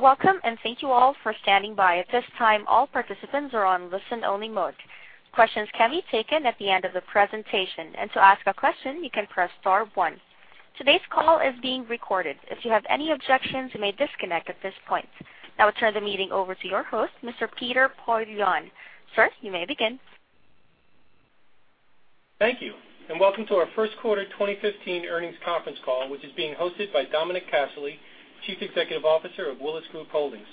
Welcome, thank you all for standing by. At this time, all participants are on listen only mode. Questions can be taken at the end of the presentation. To ask a question, you can press star one. Today's call is being recorded. If you have any objections, you may disconnect at this point. Now I turn the meeting over to your host, Mr. Peter Poillon. Sir, you may begin. Thank you, welcome to our first quarter 2015 earnings conference call, which is being hosted by Dominic Casserley, Chief Executive Officer of Willis Group Holdings.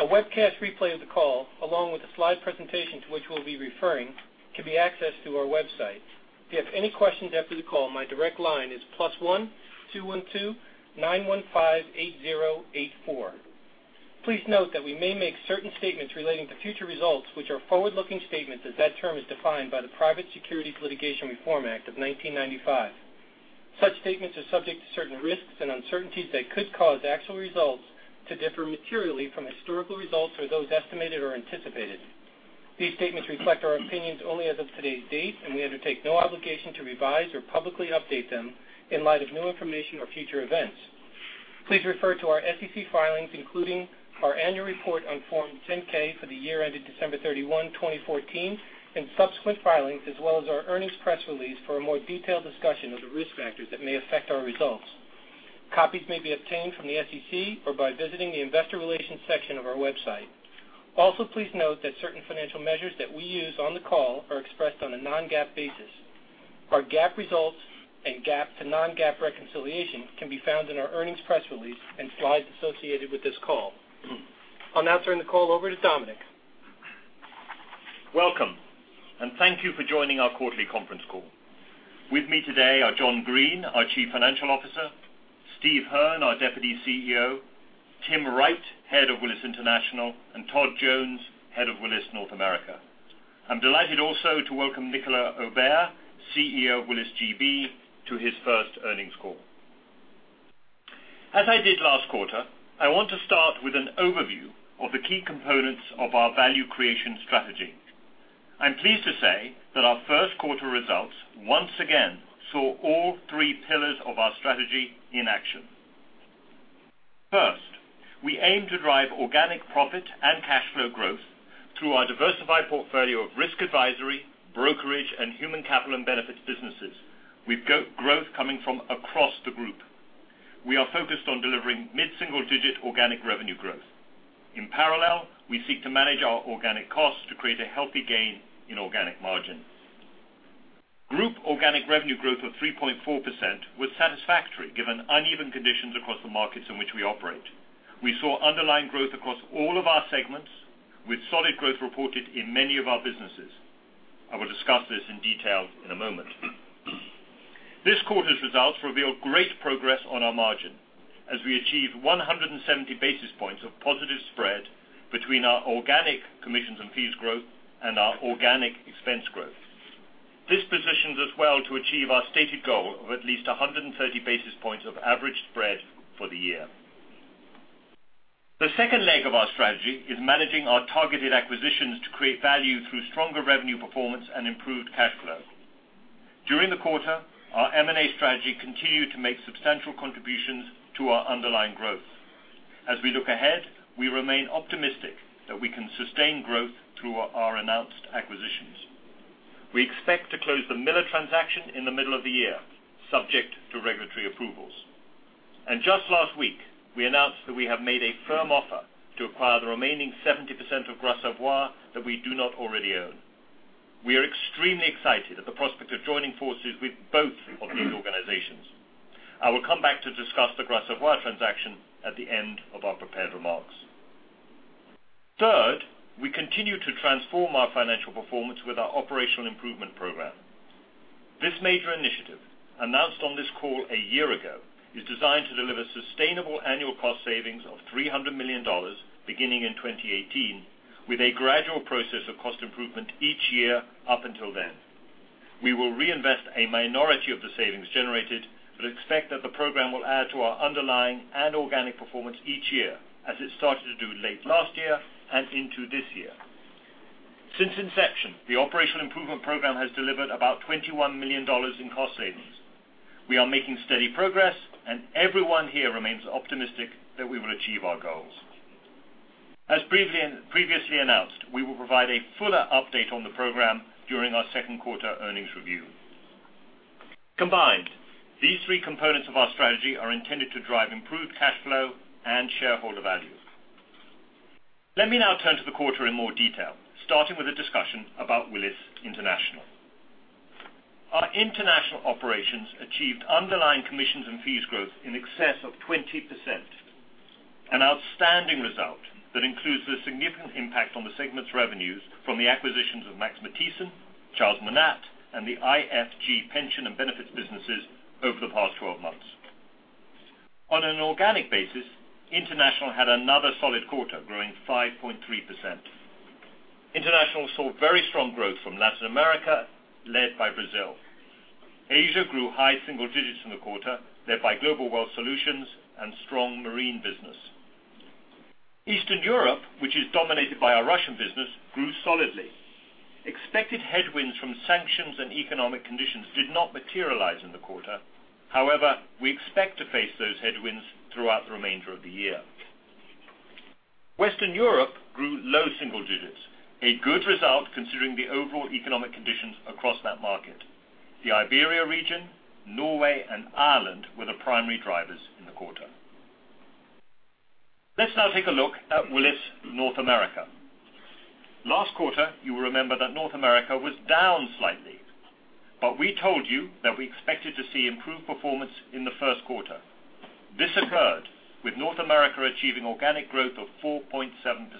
A webcast replay of the call, along with the slide presentation to which we'll be referring, can be accessed through our website. If you have any questions after the call, my direct line is +1-212-915-8084. Please note that we may make certain statements relating to future results, which are forward-looking statements as that term is defined by the Private Securities Litigation Reform Act of 1995. Such statements are subject to certain risks and uncertainties that could cause actual results to differ materially from historical results or those estimated or anticipated. These statements reflect our opinions only as of today's date, we undertake no obligation to revise or publicly update them in light of new information or future events. Please refer to our SEC filings, including our annual report on Form 10-K for the year ended December 31, 2014, subsequent filings, as well as our earnings press release for a more detailed discussion of the risk factors that may affect our results. Copies may be obtained from the SEC or by visiting the investor relations section of our website. Please note that certain financial measures that we use on the call are expressed on a non-GAAP basis. Our GAAP results and GAAP to non-GAAP reconciliation can be found in our earnings press release and slides associated with this call. I'll now turn the call over to Dominic. Welcome, thank you for joining our quarterly conference call. With me today are John Greene, our Chief Financial Officer, Steve Hearn, our Deputy CEO, Tim Wright, Head of Willis International, Todd Jones, Head of Willis North America. I'm delighted also to welcome Nicolas Aubert, CEO of Willis GB, to his first earnings call. As I did last quarter, I want to start with an overview of the key components of our value creation strategy. I'm pleased to say that our first quarter results once again saw all three pillars of our strategy in action. We aim to drive organic profit and cash flow growth through our diversified portfolio of risk advisory, brokerage, and human capital and benefits businesses. With growth coming from across the group. We are focused on delivering mid-single-digit organic revenue growth. In parallel, we seek to manage our organic costs to create a healthy gain in organic margins. Group organic revenue growth of 3.4% was satisfactory given uneven conditions across the markets in which we operate. We saw underlying growth across all of our segments, with solid growth reported in many of our businesses. I will discuss this in detail in a moment. This quarter's results reveal great progress on our margin as we achieve 170 basis points of positive spread between our organic commissions and fees growth and our organic expense growth. This positions us well to achieve our stated goal of at least 130 basis points of average spread for the year. The second leg of our strategy is managing our targeted acquisitions to create value through stronger revenue performance and improved cash flow. During the quarter, our M&A strategy continued to make substantial contributions to our underlying growth. As we look ahead, we remain optimistic that we can sustain growth through our announced acquisitions. We expect to close the Miller transaction in the middle of the year, subject to regulatory approvals. Just last week, we announced that we have made a firm offer to acquire the remaining 70% of Gras Savoye that we do not already own. We are extremely excited at the prospect of joining forces with both of these organizations. I will come back to discuss the Gras Savoye transaction at the end of our prepared remarks. Third, we continue to transform our financial performance with our Operational Improvement Program. This major initiative, announced on this call a year ago, is designed to deliver sustainable annual cost savings of $300 million beginning in 2018 with a gradual process of cost improvement each year up until then. We will reinvest a minority of the savings generated, but expect that the program will add to our underlying and organic performance each year, as it started to do late last year and into this year. Since inception, the Operational Improvement Program has delivered about $21 million in cost savings. We are making steady progress, and everyone here remains optimistic that we will achieve our goals. As previously announced, we will provide a fuller update on the program during our second quarter earnings review. Combined, these three components of our strategy are intended to drive improved cash flow and shareholder value. Let me now turn to the quarter in more detail, starting with a discussion about Willis International. Our international operations achieved underlying commissions and fees growth in excess of 20%, an outstanding result that includes the significant impact on the segment's revenues from the acquisitions of Max Matthiessen, Charles Monat, and the IFG pension and benefits businesses over the past 12 months. On an organic basis, International had another solid quarter, growing 5.3%. International saw very strong growth from Latin America, led by Brazil. Asia grew high single digits in the quarter, led by Global Wealth Solutions and strong marine business. Eastern Europe, which is dominated by our Russian business, grew solidly. Expected headwinds from sanctions and economic conditions did not materialize in the quarter. However, we expect to face those headwinds throughout the remainder of the year. Western Europe grew low single digits, a good result considering the overall economic conditions across that market. The Iberia region, Norway, and Ireland were the primary drivers in the quarter. Let's now take a look at Willis North America. Last quarter, you will remember that North America was down slightly. We told you that we expected to see improved performance in the first quarter. This occurred, with North America achieving organic growth of 4.7%.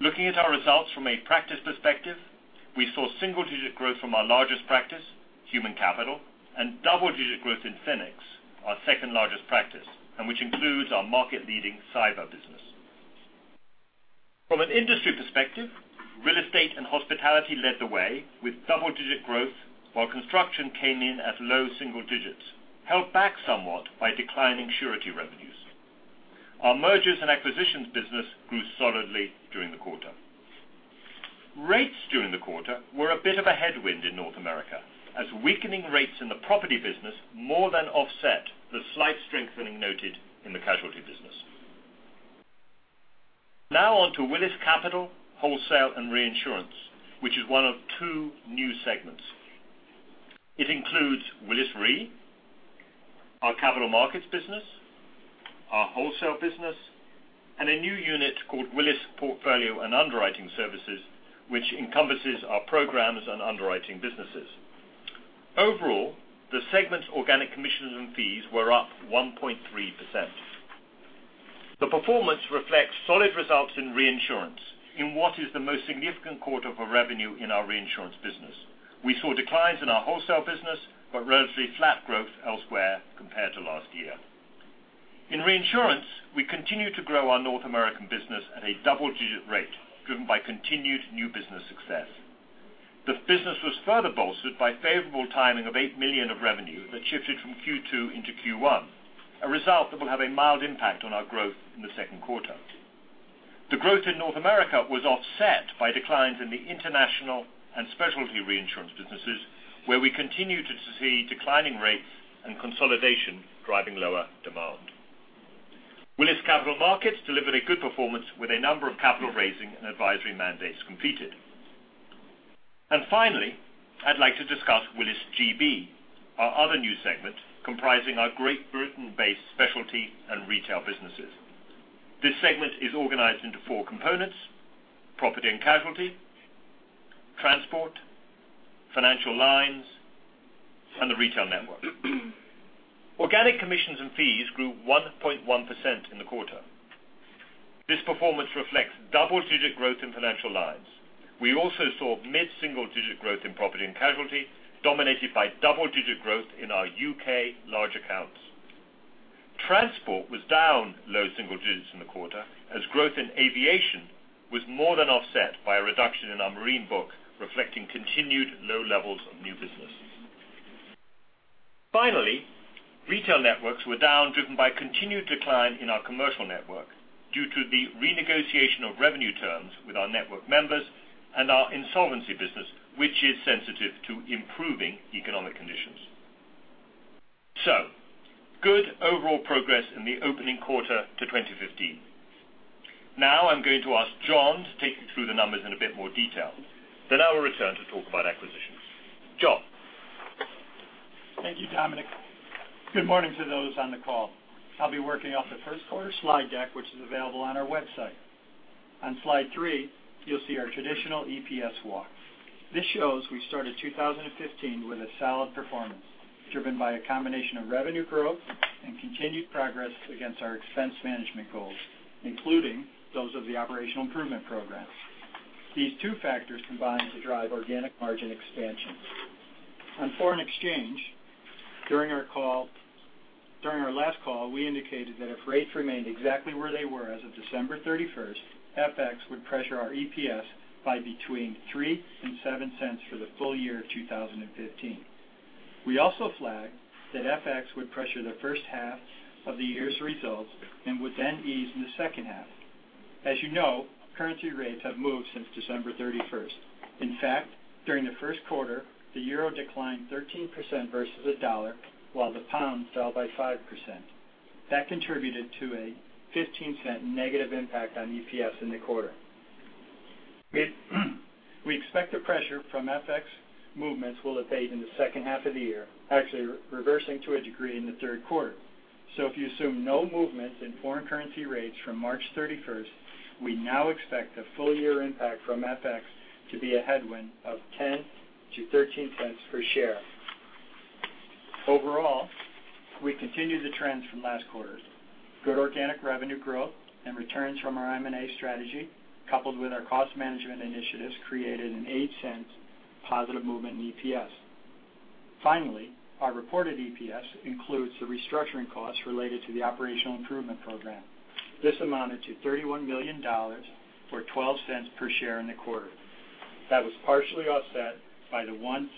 Looking at our results from a practice perspective, we saw single-digit growth from our largest practice, human capital, and double-digit growth in FINEX, our second-largest practice, and which includes our market-leading cyber business. From an industry perspective, real estate and hospitality led the way with double-digit growth, while construction came in at low single digits, held back somewhat by declining surety revenues. Our mergers and acquisitions business grew solidly during the quarter. Rates during the quarter were a bit of a headwind in North America, as weakening rates in the property business more than offset the slight strengthening noted in the casualty business. On to Willis Capital, Wholesale and Reinsurance, which is one of two new segments. It includes Willis Re, our capital markets business, our wholesale business, and a new unit called Willis Portfolio and Underwriting Services, which encompasses our programs and underwriting businesses. Overall, the segment's organic commissions and fees were up 1.3%. The performance reflects solid results in reinsurance in what is the most significant quarter for revenue in our reinsurance business. We saw declines in our wholesale business, but relatively flat growth elsewhere compared to last year. In reinsurance, we continued to grow our North American business at a double-digit rate, driven by continued new business success. The business was further bolstered by favorable timing of $8 million of revenue that shifted from Q2 into Q1, a result that will have a mild impact on our growth in the second quarter. The growth in North America was offset by declines in the international and specialty reinsurance businesses, where we continue to see declining rates and consolidation driving lower demand. Willis Capital Markets delivered a good performance with a number of capital raising and advisory mandates completed. Finally, I'd like to discuss Willis GB, our other new segment comprising our Great Britain-based specialty and retail businesses. This segment is organized into four components, property and casualty, transport, financial lines, and the retail network. Organic commissions and fees grew 1.1% in the quarter. This performance reflects double-digit growth in financial lines. We also saw mid-single-digit growth in property and casualty, dominated by double-digit growth in our U.K. large accounts. Transport was down low single digits in the quarter as growth in aviation was more than offset by a reduction in our marine book, reflecting continued low levels of new business. Retail networks were down, driven by continued decline in our commercial network due to the renegotiation of revenue terms with our network members and our insolvency business, which is sensitive to improving economic conditions. Good overall progress in the opening quarter to 2015. I'm going to ask John to take you through the numbers in a bit more detail. I will return to talk about acquisitions. John. Thank you, Dominic. Good morning to those on the call. I will be working off the first quarter slide deck, which is available on our website. On slide three, you will see our traditional EPS walk. This shows we started 2015 with a solid performance, driven by a combination of revenue growth and continued progress against our expense management goals, including those of the operational improvement program. These two factors combined to drive organic margin expansion. On foreign exchange, during our last call, we indicated that if rates remained exactly where they were as of December 31st, FX would pressure our EPS by between $0.03 and $0.07 for the full year 2015. We also flagged that FX would pressure the first half of the year's results and would then ease in the second half. As you know, currency rates have moved since December 31st. During the first quarter, the EUR declined 13% versus the dollar, while the GBP fell by 5%. That contributed to a $0.15 negative impact on EPS in the quarter. We expect the pressure from FX movements will abate in the second half of the year, actually reversing to a degree in the third quarter. If you assume no movements in foreign currency rates from March 31st, we now expect the full-year impact from FX to be a headwind of $0.10-$0.13 per share. Overall, we continue the trends from last quarter. Good organic revenue growth and returns from our M&A strategy, coupled with our cost management initiatives, created an $0.08 positive movement in EPS. Finally, our reported EPS includes the restructuring costs related to the operational improvement program. This amounted to $31 million, or $0.12 per share in the quarter. That was partially offset by the $0.01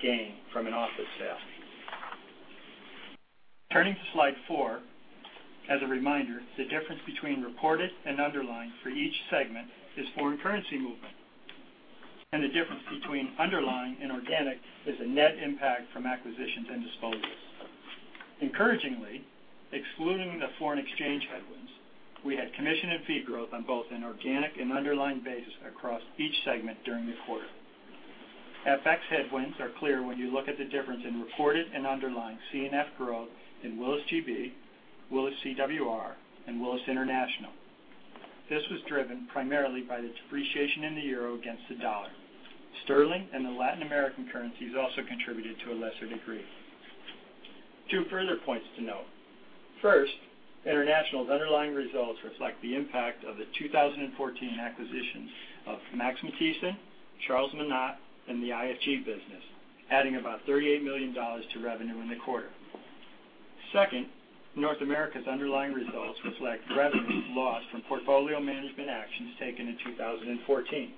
gain from an office sale. Turning to slide four, as a reminder, the difference between reported and underlying for each segment is foreign currency movement. The difference between underlying and organic is the net impact from acquisitions and disposals. Encouragingly, excluding the foreign exchange headwinds, we had commission and fee growth on both an organic and underlying basis across each segment during the quarter. FX headwinds are clear when you look at the difference in reported and underlying C&F growth in Willis GB, Willis CWR, and Willis International. This was driven primarily by the depreciation in the EUR against the dollar. Sterling and the Latin American currencies also contributed to a lesser degree. Two further points to note. First, International's underlying results reflect the impact of the 2014 acquisitions of Max Matthiessen, Charles Monat, and the IFG business, adding about $38 million to revenue in the quarter. Second, North America's underlying results reflect revenue loss from portfolio management actions taken in 2014.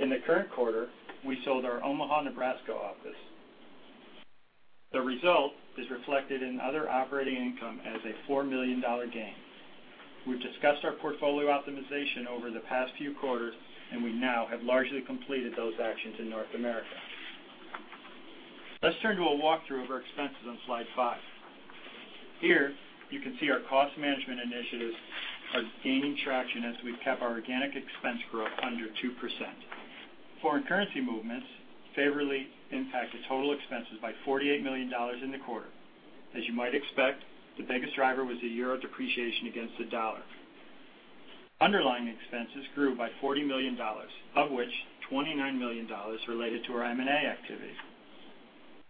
In the current quarter, we sold our Omaha, Nebraska office. The result is reflected in other operating income as a $4 million gain. We have discussed our portfolio optimization over the past few quarters, and we now have largely completed those actions in North America. Let's turn to a walkthrough of our expenses on slide five. Here, you can see our cost management initiatives are gaining traction as we have kept our organic expense growth under 2%. Foreign currency movements favorably impacted total expenses by $48 million in the quarter. As you might expect, the biggest driver was the EUR depreciation against the dollar. Underlying expenses grew by $40 million, of which $29 million related to our M&A activity.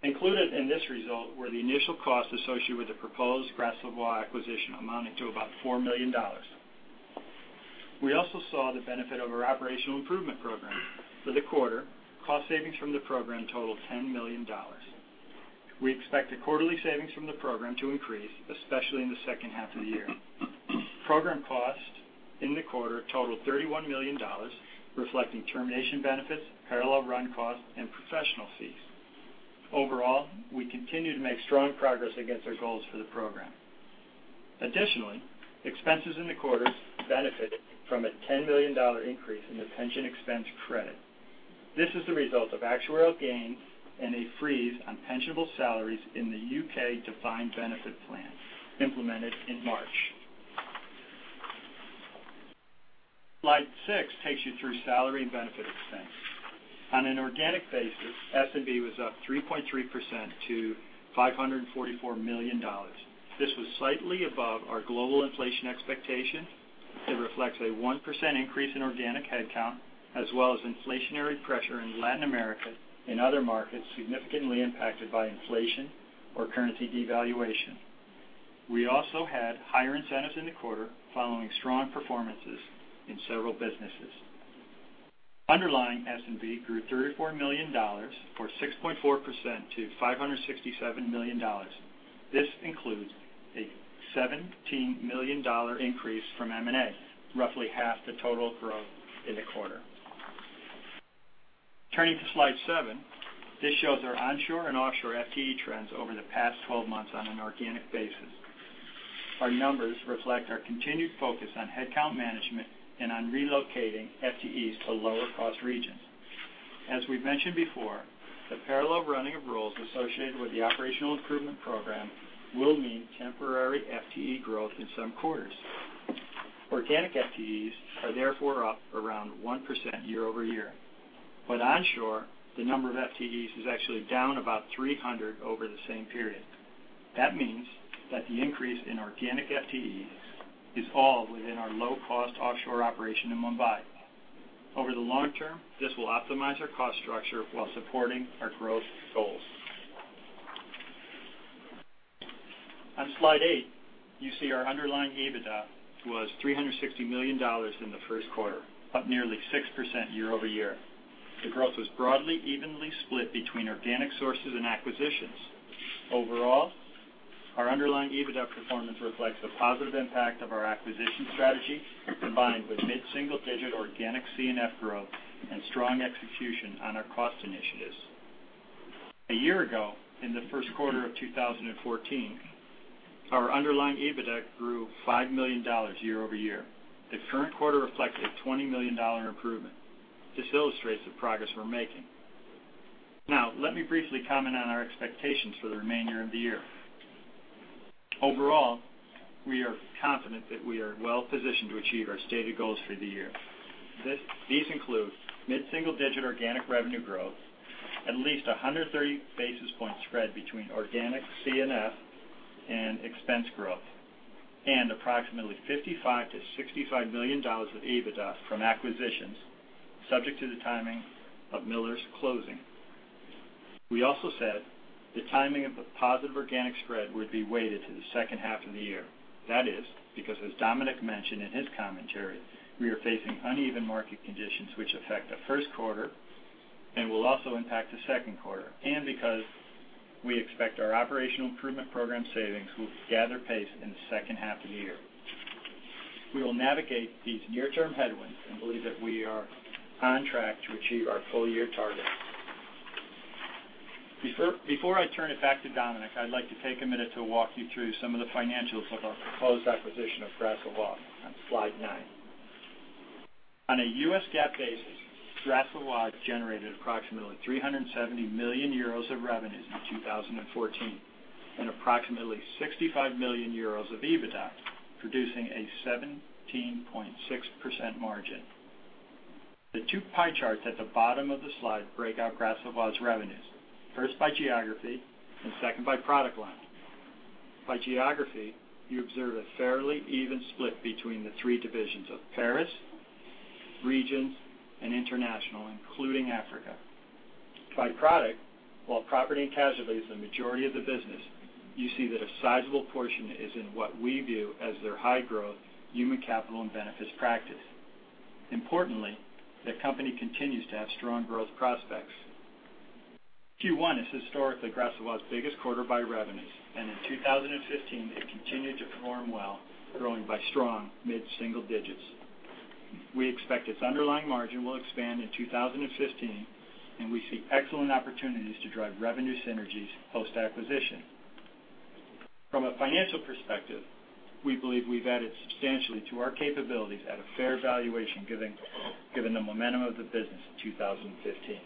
Included in this result were the initial costs associated with the proposed Gras Savoye acquisition amounting to about $4 million. We also saw the benefit of our operational improvement program. For the quarter, cost savings from the program totaled $10 million. We expect the quarterly savings from the program to increase, especially in the second half of the year. Program costs in the quarter totaled $31 million, reflecting termination benefits, parallel run costs, and professional fees. Overall, we continue to make strong progress against our goals for the program. Additionally, expenses in the quarter benefited from a $10 million increase in the pension expense credit. This is the result of actuarial gains and a freeze on pensionable salaries in the U.K. defined benefit plan implemented in March. Slide six takes you through salary and benefit expense. On an organic basis, S&B was up 3.3% to $544 million. This was slightly above our global inflation expectation. It reflects a 1% increase in organic headcount, as well as inflationary pressure in Latin America and other markets significantly impacted by inflation or currency devaluation. We also had higher incentives in the quarter following strong performances in several businesses. Underlying S&B grew $34 million, or 6.4%, to $567 million. This includes a $17 million increase from M&A, roughly half the total growth in the quarter. Turning to slide seven, this shows our onshore and offshore FTE trends over the past 12 months on an organic basis. Our numbers reflect our continued focus on headcount management and on relocating FTEs to lower-cost regions. As we've mentioned before, the parallel running of roles associated with the operational improvement program will mean temporary FTE growth in some quarters. Organic FTEs are therefore up around 1% year-over-year. Onshore, the number of FTEs is actually down about 300 over the same period. That means that the increase in organic FTEs is all within our low-cost offshore operation in Mumbai. Over the long term, this will optimize our cost structure while supporting our growth goals. On slide eight, you see our underlying EBITDA was $360 million in the first quarter, up nearly 6% year-over-year. The growth was broadly evenly split between organic sources and acquisitions. Overall, our underlying EBITDA performance reflects the positive impact of our acquisition strategy, combined with mid-single digit organic C&F growth and strong execution on our cost initiatives. A year ago, in the first quarter of 2014, our underlying EBITDA grew $5 million year-over-year. The current quarter reflects a $20 million improvement. This illustrates the progress we're making. Let me briefly comment on our expectations for the remainder of the year. Overall, we are confident that we are well positioned to achieve our stated goals for the year. These include mid-single digit organic revenue growth, at least 130 basis point spread between organic C&F and expense growth, and approximately $55 million-$65 million of EBITDA from acquisitions, subject to the timing of Miller's closing. We also said the timing of the positive organic spread would be weighted to the second half of the year. That is because, as Dominic mentioned in his commentary, we are facing uneven market conditions which affect the first quarter and will also impact the second quarter, and because we expect our operational improvement program savings will gather pace in the second half of the year. We will navigate these near-term headwinds and believe that we are on track to achieve our full-year targets. Before I turn it back to Dominic, I'd like to take a minute to walk you through some of the financials of our proposed acquisition of Gras Savoye on slide nine. On a US GAAP basis, Gras Savoye generated approximately 370 million euros of revenues in 2014 and approximately 65 million euros of EBITDA, producing a 17.6% margin. The two pie charts at the bottom of the slide break out Gras Savoye's revenues, first by geography and second by product line. By geography, you observe a fairly even split between the three divisions of Paris, Regions, and International, including Africa. By product, while property and casualty is the majority of the business, you see that a sizable portion is in what we view as their high-growth human capital and benefits practice. Importantly, the company continues to have strong growth prospects. Q1 is historically Gras Savoye's biggest quarter by revenues, and in 2015, it continued to perform well, growing by strong mid-single digits. We expect its underlying margin will expand in 2015, and we see excellent opportunities to drive revenue synergies post-acquisition. From a financial perspective, we believe we've added substantially to our capabilities at a fair valuation given the momentum of the business in 2015.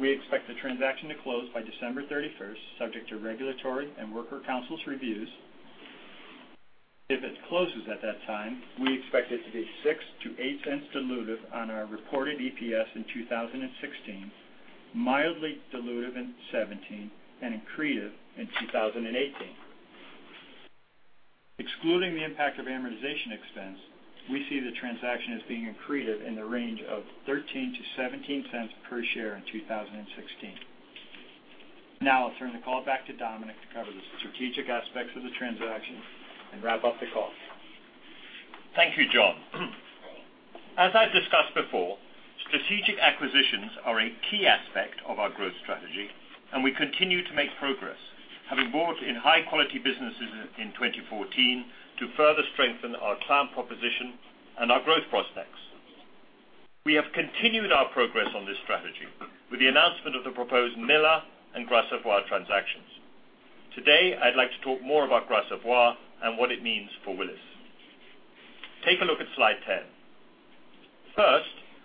We expect the transaction to close by December 31st, subject to regulatory and worker councils' reviews. If it closes at that time, we expect it to be $0.06-$0.08 dilutive on our reported EPS in 2016, mildly dilutive in 2017, and accretive in 2018. Excluding the impact of amortization expense, we see the transaction as being accretive in the range of $0.13-$0.17 per share in 2016. I'll turn the call back to Dominic to cover the strategic aspects of the transaction and wrap up the call. Thank you, John. As I've discussed before, strategic acquisitions are a key aspect of our growth strategy, and we continue to make progress, having brought in high-quality businesses in 2014 to further strengthen our client proposition and our growth prospects. We have continued our progress on this strategy with the announcement of the proposed Miller and Gras Savoye transactions. I'd like to talk more about Gras Savoye and what it means for Willis. Take a look at slide 10.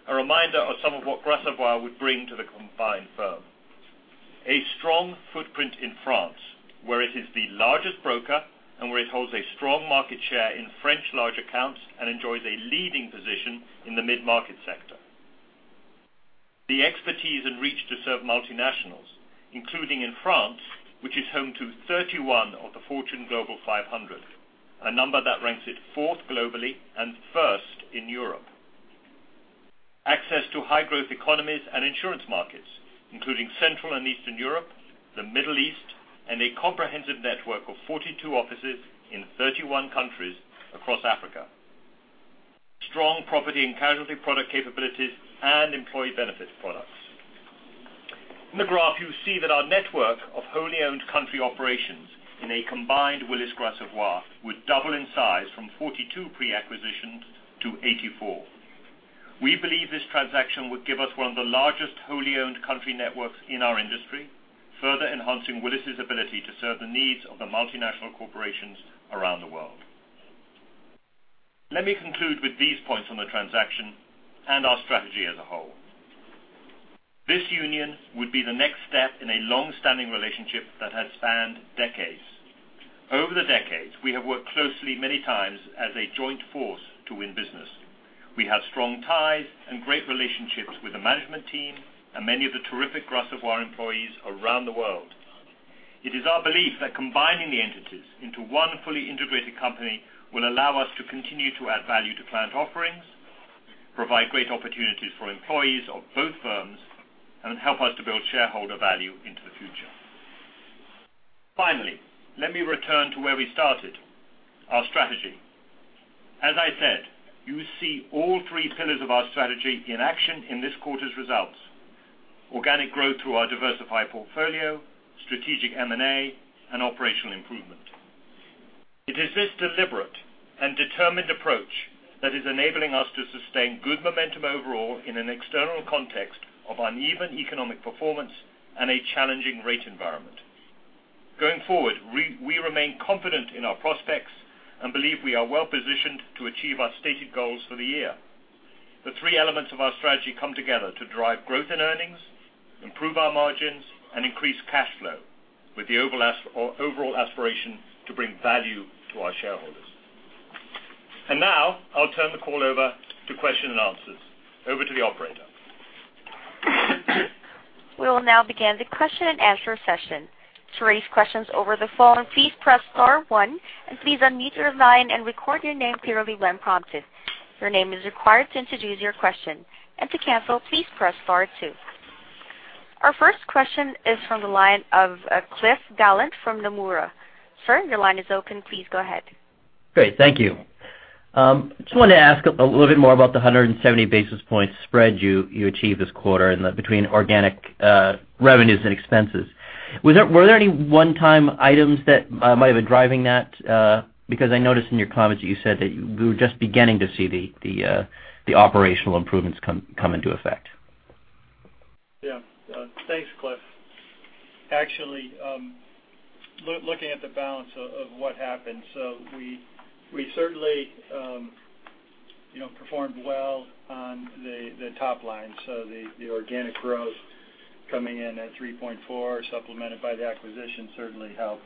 A reminder of some of what Gras Savoye would bring to the combined firm. A strong footprint in France, where it is the largest broker and where it holds a strong market share in French large accounts and enjoys a leading position in the mid-market sector. The expertise and reach to serve multinationals, including in France, which is home to 31 of the Fortune Global 500, a number that ranks it fourth globally and first in Europe. Access to high-growth economies and insurance markets, including Central and Eastern Europe, the Middle East, and a comprehensive network of 42 offices in 31 countries across Africa. Strong property and casualty product capabilities and employee benefits products. In the graph, you see that our network of wholly owned country operations in a combined Willis Gras Savoye would double in size from 42 pre-acquisitions to 84. We believe this transaction would give us one of the largest wholly owned country networks in our industry, further enhancing Willis's ability to serve the needs of the multinational corporations around the world. Let me conclude with these points on the transaction and our strategy as a whole. This union would be the next step in a long-standing relationship that has spanned decades. Over the decades, we have worked closely many times as a joint force to win business. We have strong ties and great relationships with the management team and many of the terrific Gras Savoye employees around the world. It is our belief that combining the entities into one fully integrated company will allow us to continue to add value to client offerings, provide great opportunities for employees of both firms, and help us to build shareholder value into the future. Finally, let me return to where we started, our strategy. As I said, you see all three pillars of our strategy in action in this quarter's results. Organic growth through our diversified portfolio, strategic M&A, and operational improvement. It is this deliberate and determined approach that is enabling us to sustain good momentum overall in an external context of uneven economic performance and a challenging rate environment. Going forward, we remain confident in our prospects and believe we are well-positioned to achieve our stated goals for the year. The three elements of our strategy come together to drive growth in earnings, improve our margins, and increase cash flow, with the overall aspiration to bring value to our shareholders. Now, I'll turn the call over to question and answers. Over to the operator. We will now begin the question and answer session. To raise questions over the phone, please press star one, and please unmute your line and record your name clearly when prompted. Your name is required to introduce your question. To cancel, please press star two. Our first question is from the line of Cliff Gallant from Nomura. Sir, your line is open. Please go ahead. Great. Thank you. Just wanted to ask a little bit more about the 170 basis points spread you achieved this quarter between organic revenues and expenses. Were there any one-time items that might have been driving that? Because I noticed in your comments that you said that we were just beginning to see the operational improvements come into effect. Yeah. Thanks, Cliff. Actually, looking at the balance of what happened. We certainly performed well on the top line. The organic growth coming in at 3.4, supplemented by the acquisition, certainly helped.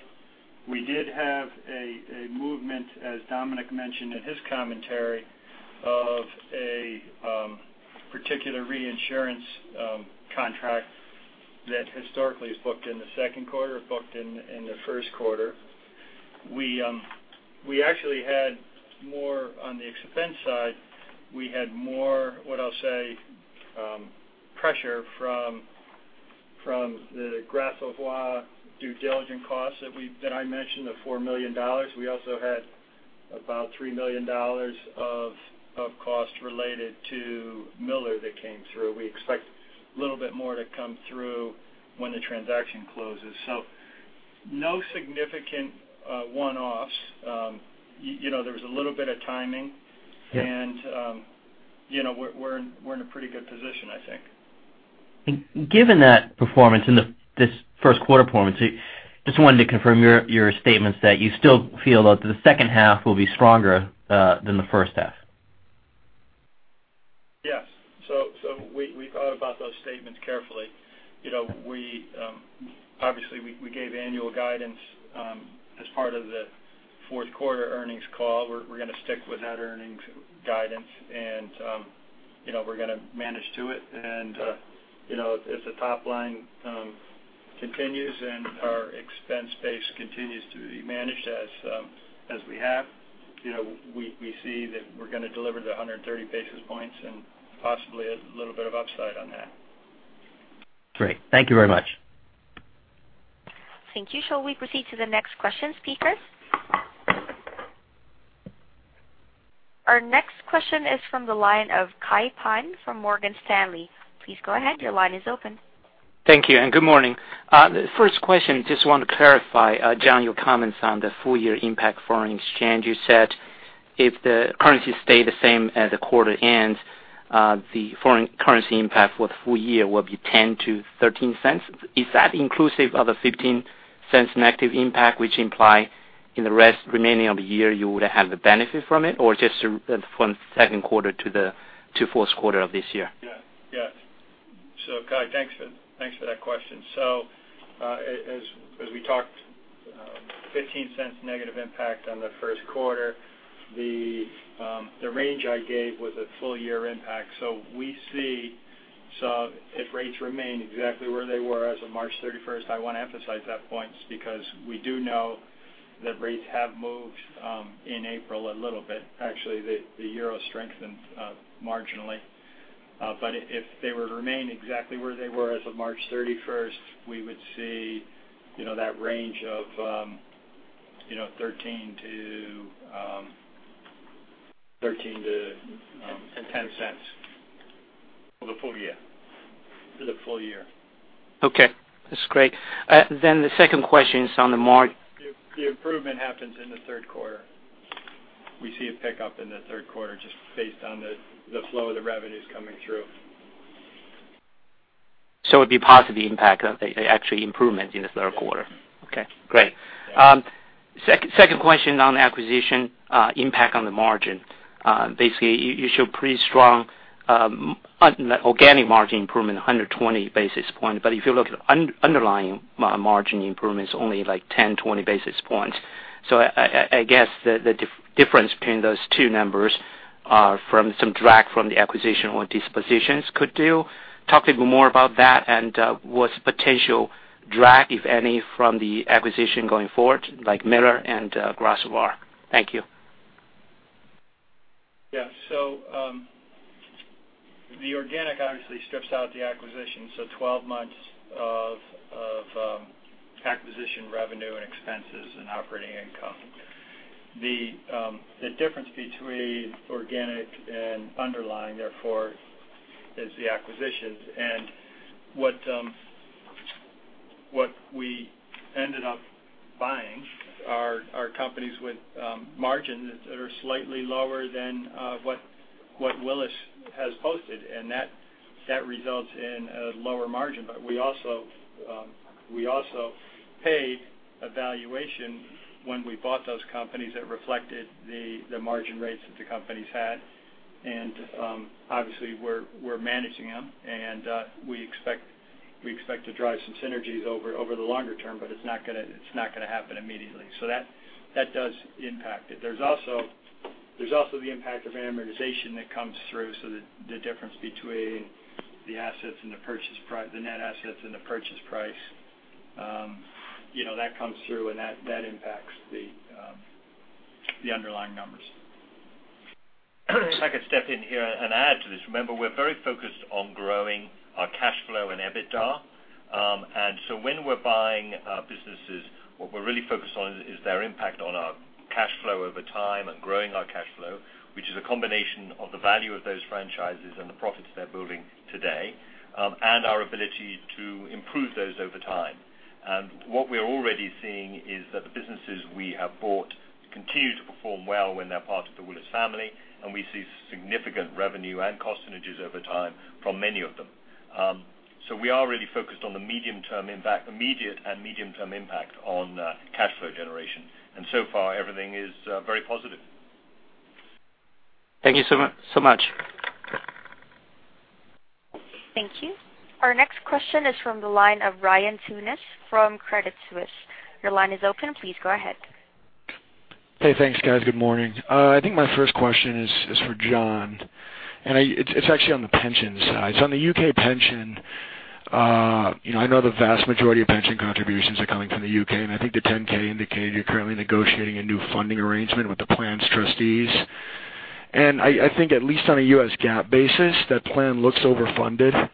We did have a movement, as Dominic mentioned in his commentary, of a particular reinsurance contract that historically is booked in the second quarter, booked in the first quarter. We actually had more on the expense side. We had more, what I'll say, pressure from the Gras Savoye due diligence costs that I mentioned, the $4 million. We also had about $3 million of cost related to Miller that came through. We expect a little bit more to come through when the transaction closes. No significant one-offs. There was a little bit of timing. Yeah. We're in a pretty good position, I think. Given that performance and this first quarter performance, just wanted to confirm your statements that you still feel that the second half will be stronger than the first half. Yes. We thought about those statements carefully. We gave annual guidance as part of the fourth quarter earnings call. We're going to stick with that earnings guidance and we're going to manage to it. If the top line continues and our expense base continues to be managed as we have, we see that we're going to deliver the 130 basis points and possibly a little bit of upside on that. Great. Thank you very much. Thank you. Shall we proceed to the next question, speakers? Our next question is from the line of Kai Pan from Morgan Stanley. Please go ahead. Your line is open. Thank you. First question, just want to clarify, John, your comments on the full year impact foreign exchange. You said if the currency stay the same as the quarter ends, the foreign currency impact for the full year will be $0.10 to $0.13. Is that inclusive of the $0.15 negative impact, which imply in the remaining of the year you would have the benefit from it, or just from second quarter to fourth quarter of this year? Yeah. Kai, thanks for that question. As we talked, $0.15 negative impact on the first quarter. The range I gave was a full year impact. We see, if rates remain exactly where they were as of March 31st, I want to emphasize that point because we do know that rates have moved in April a little bit. Actually, the euro strengthened marginally. If they were to remain exactly where they were as of March 31st, we would see that range of $0.13-$0.10. For the full year? For the full year. Okay. That's great. The second question is on the. The improvement happens in the third quarter. We see a pickup in the third quarter just based on the flow of the revenues coming through. It'd be positive impact, actually improvement in the third quarter. Yes. Okay, great. Yeah. Second question on acquisition impact on the margin. You show pretty strong organic margin improvement, 120 basis points, but if you look at underlying margin improvements, only like 10, 20 basis points. I guess the difference between those two numbers are from some drag from the acquisition or dispositions could do. Talk a bit more about that and what's potential drag, if any, from the acquisition going forward, like Miller and Gras Savoye. Thank you. Yeah. The organic obviously strips out the acquisition, so 12 months of acquisition revenue and expenses and operating income. The difference between organic and underlying, therefore, is the acquisitions. What we ended up buying are companies with margins that are slightly lower than what Willis has posted, and that results in a lower margin. We also paid a valuation when we bought those companies that reflected the margin rates that the companies had. Obviously, we're managing them, and we expect to drive some synergies over the longer term, but it's not going to happen immediately. That does impact it. There's also the impact of amortization that comes through. The difference between the net assets and the purchase price, that comes through and that impacts the underlying numbers. If I could step in here and add to this. Remember, we're very focused on growing our cash flow and EBITDA. When we're buying businesses, what we're really focused on is their impact on our cash flow over time and growing our cash flow, which is a combination of the value of those franchises and the profits they're building today, and our ability to improve those over time. What we're already seeing is that the businesses we have bought continue to perform well when they're part of the Willis family, and we see significant revenue and cost synergies over time from many of them. We are really focused on the immediate and medium-term impact on cash flow generation. So far, everything is very positive. Thank you so much. Thank you. Our next question is from the line of Ryan Tunis from Credit Suisse. Your line is open. Please go ahead. Hey, thanks, guys. Good morning. I think my first question is for John, and it's actually on the pension side. On the U.K. pension, I know the vast majority of pension contributions are coming from the U.K., I think the 10-K indicated you're currently negotiating a new funding arrangement with the plan's trustees. I think at least on a US GAAP basis, that plan looks overfunded.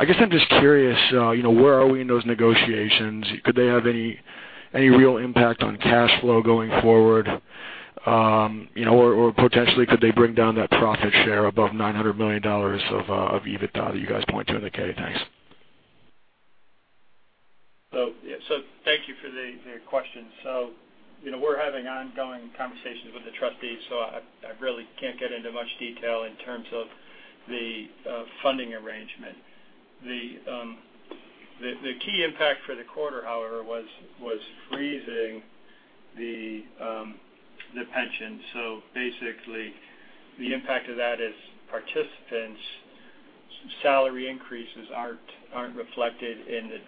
I guess I'm just curious, where are we in those negotiations? Could they have any real impact on cash flow going forward? Potentially, could they bring down that profit share above $900 million of EBITDA that you guys point to in the K? Thanks. Thank you for the question. We're having ongoing conversations with the trustees, I really can't get into much detail in terms of the funding arrangement. The key impact for the quarter, however, was freezing the pension. Basically, the impact of that is participants' salary increases aren't reflected in the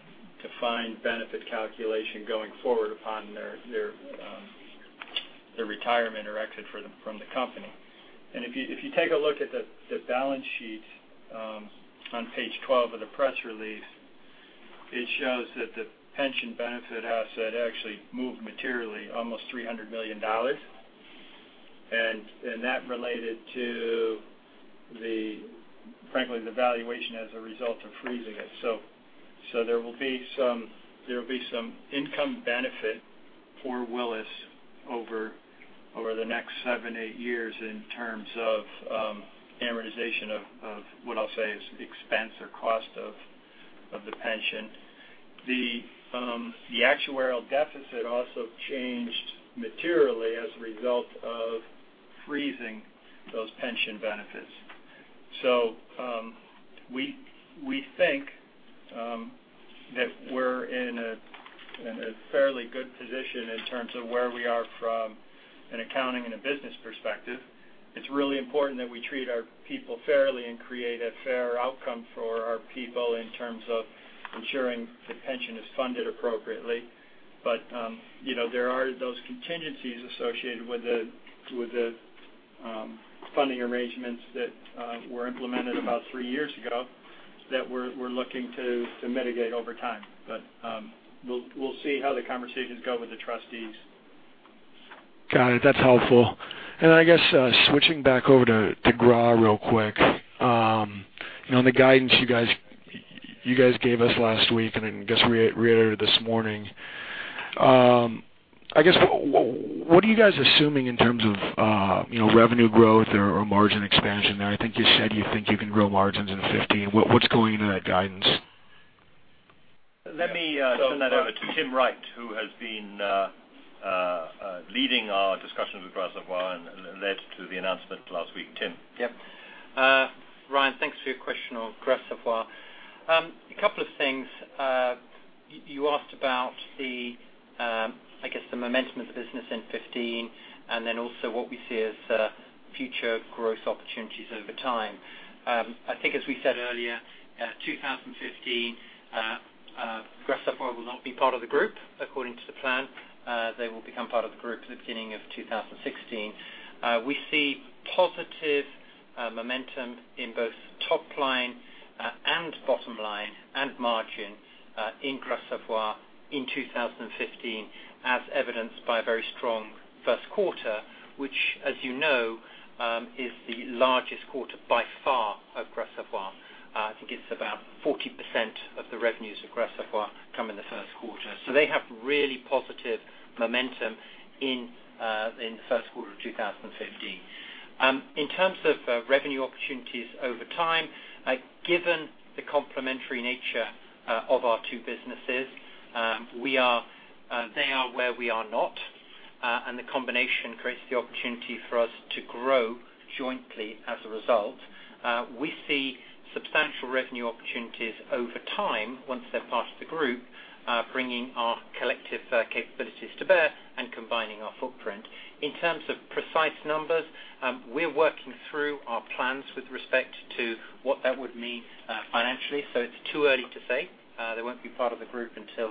defined benefit calculation going forward upon their retirement or exit from the company. If you take a look at the balance sheet on page 12 of the press release, it shows that the pension benefit asset actually moved materially almost $300 million. That related to, frankly, the valuation as a result of freezing it. There will be some income benefit for Willis over the next seven, eight years in terms of amortization of what I'll say is expense or cost of the pension. The actuarial deficit also changed materially as a result of freezing those pension benefits. We think that we're in a fairly good position in terms of where we are from an accounting and a business perspective. It's really important that we treat our people fairly and create a fair outcome for our people in terms of ensuring the pension is funded appropriately. There are those contingencies associated with the funding arrangements that were implemented about three years ago that we're looking to mitigate over time. We'll see how the conversations go with the trustees. Got it. That's helpful. I guess switching back over to Gras real quick. On the guidance you guys gave us last week and then I guess reiterated this morning, I guess what are you guys assuming in terms of revenue growth or margin expansion there? I think you said you think you can grow margins in 2015. What's going into that guidance? Let me turn that over to Tim Wright, who has been leading our discussions with Gras Savoye and led to the announcement last week. Tim? Yep. Ryan, thanks for your question on Gras Savoye. A couple of things. You asked about the, I guess the momentum of the business in 2015, and then also what we see as future growth opportunities over time. I think as we said earlier, 2015, Gras Savoye will not be part of the group according to the plan. They will become part of the group at the beginning of 2016. We see positive momentum in both top line and bottom line and margin in Gras Savoye in 2015, as evidenced by a very strong first quarter, which as you know, is the largest quarter by far of Gras Savoye. I think it's about 40% of the revenues of Gras Savoye come in the first quarter. They have really positive momentum in the first quarter of 2015. In terms of revenue opportunities over time, given the complementary nature of our two businesses, they are where we are not, the combination creates the opportunity for us to grow jointly as a result. We see substantial revenue opportunities over time once they're part of the group, bringing our collective capabilities to bear and combining our footprint. In terms of precise numbers, we're working through our plans with respect to what that would mean financially. It's too early to say. They won't be part of the group until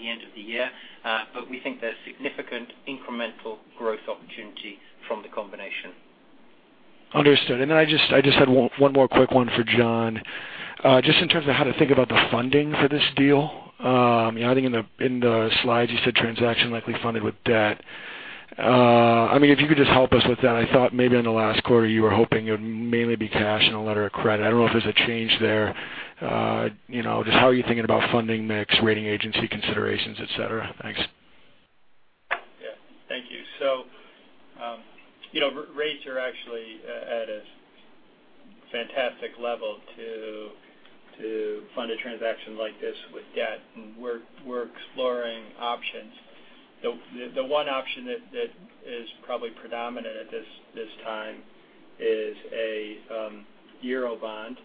the end of the year. We think there's significant incremental growth opportunity from the combination. Understood. I just had one more quick one for John. Just in terms of how to think about the funding for this deal. I think in the slides you said transaction likely funded with debt. If you could just help us with that. I thought maybe in the last quarter, you were hoping it would mainly be cash and a letter of credit. I don't know if there's a change there. Just how are you thinking about funding mix, rating agency considerations, et cetera? Thanks. Rates are actually at a fantastic level to fund a transaction like this with debt, and we're exploring options. The one option that is probably predominant at this time is a Eurobond,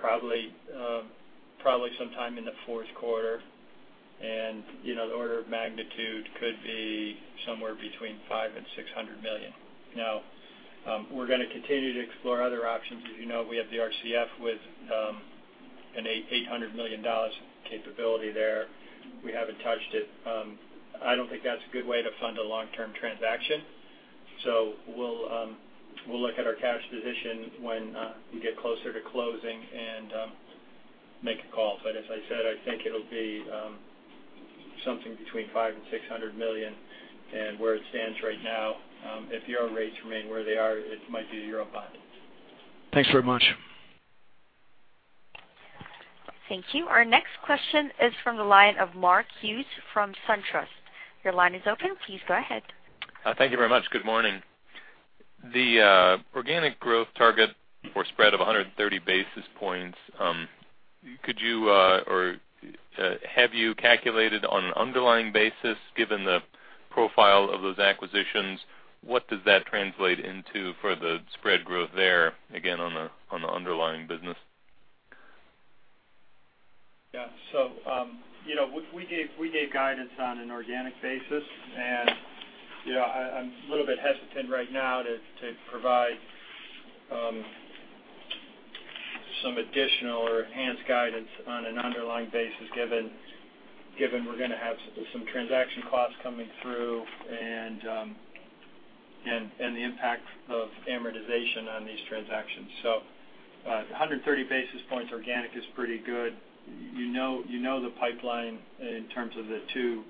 probably sometime in the fourth quarter. The order of magnitude could be somewhere between $500 million-$600 million. We're going to continue to explore other options. As you know, we have the RCF with an $800 million capability there. We haven't touched it. I don't think that's a good way to fund a long-term transaction. We'll look at our cash position when we get closer to closing and make a call. As I said, I think it'll be something between $500 million-$600 million. Where it stands right now, if EUR rates remain where they are, it might be a Eurobond. Thanks very much. Thank you. Our next question is from the line of Mark Hughes from SunTrust. Your line is open. Please go ahead. Thank you very much. Good morning. The organic growth target for spread of 130 basis points, have you calculated on an underlying basis, given the profile of those acquisitions? What does that translate into for the spread growth there, again, on the underlying business? Yeah. We gave guidance on an organic basis, and I'm a little bit hesitant right now to provide some additional or enhanced guidance on an underlying basis, given we're going to have some transaction costs coming through and the impact of amortization on these transactions. 130 basis points organic is pretty good. You know the pipeline in terms of the two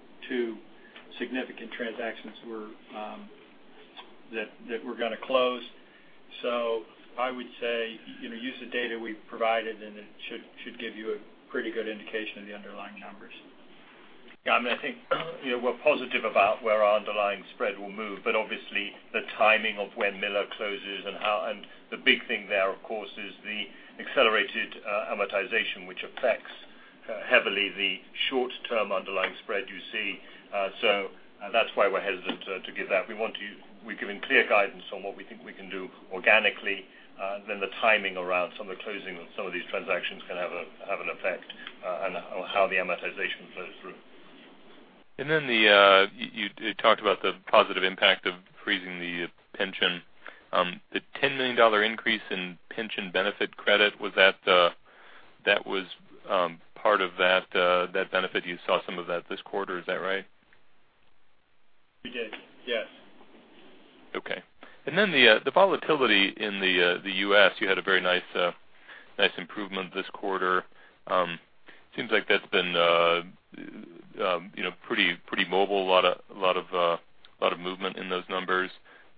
significant transactions that we're going to close. I would say, use the data we've provided, and it should give you a pretty good indication of the underlying numbers. Yeah, I think we're positive about where our underlying spread will move, but obviously the timing of when Miller closes and the big thing there, of course, is the accelerated amortization, which affects heavily the short-term underlying spread you see. That's why we're hesitant to give that. We've given clear guidance on what we think we can do organically. The timing around some of the closing of some of these transactions can have an effect on how the amortization flows through. You talked about the positive impact of freezing the pension. The $10 million increase in pension benefit credit, that was part of that benefit. You saw some of that this quarter. Is that right? We did, yes. Okay. The volatility in the U.S., you had a very nice improvement this quarter. Seems like that's been pretty mobile. A lot of movement in those numbers.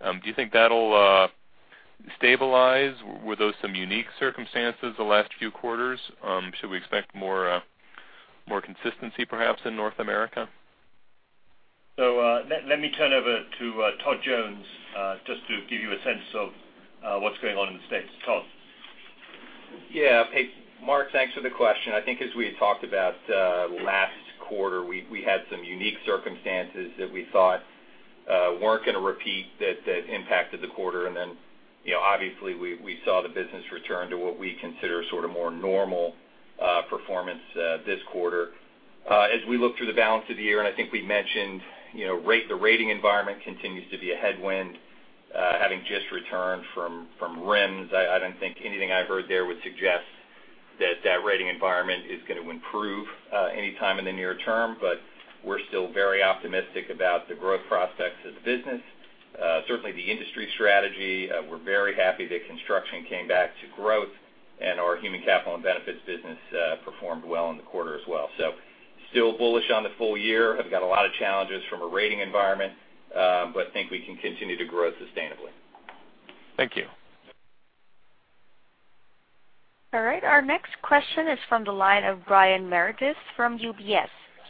Do you think that'll stabilize? Were those some unique circumstances the last few quarters? Should we expect more consistency perhaps in North America? Let me turn over to Todd Jones, just to give you a sense of what's going on in the States. Todd? Yeah. Hey, Mark, thanks for the question. I think as we had talked about last quarter, we had some unique circumstances that we thought weren't going to repeat that impacted the quarter. Obviously we saw the business return to what we consider sort of more normal performance this quarter. As we look through the balance of the year, and I think we mentioned the rating environment continues to be a headwind, having just returned from RIMS. I don't think anything I heard there would suggest that rating environment is going to improve anytime in the near term. We're still very optimistic about the growth prospects of the business. Certainly, the industry strategy, we're very happy that construction came back to growth, and our human capital and benefits business performed well in the quarter as well. Still bullish on the full year. We have got a lot of challenges from a rating environment, but we think we can continue to grow sustainably. Thank you. All right, our next question is from the line of Brian Meredith from UBS.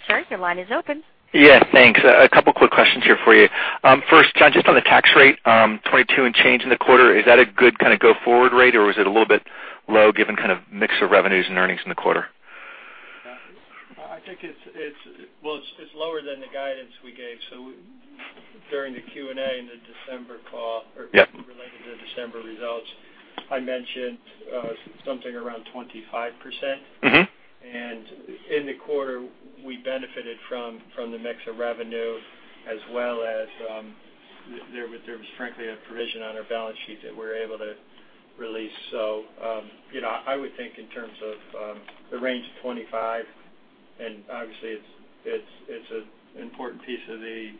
Sir, your line is open. Yeah. Thanks. A couple quick questions here for you. First, John, just on the tax rate, 22 and change in the quarter. Is that a good kind of go forward rate, or was it a little bit low given kind of mix of revenues and earnings in the quarter? Well, it's lower than the guidance we gave. During the Q&A in the December call- Yeah related to the December results, I mentioned something around 25%. In the quarter, we benefited from the mix of revenue as well as there was frankly a provision on our balance sheet that we were able to release. I would think in terms of the range of 25%, and obviously it's an important piece of the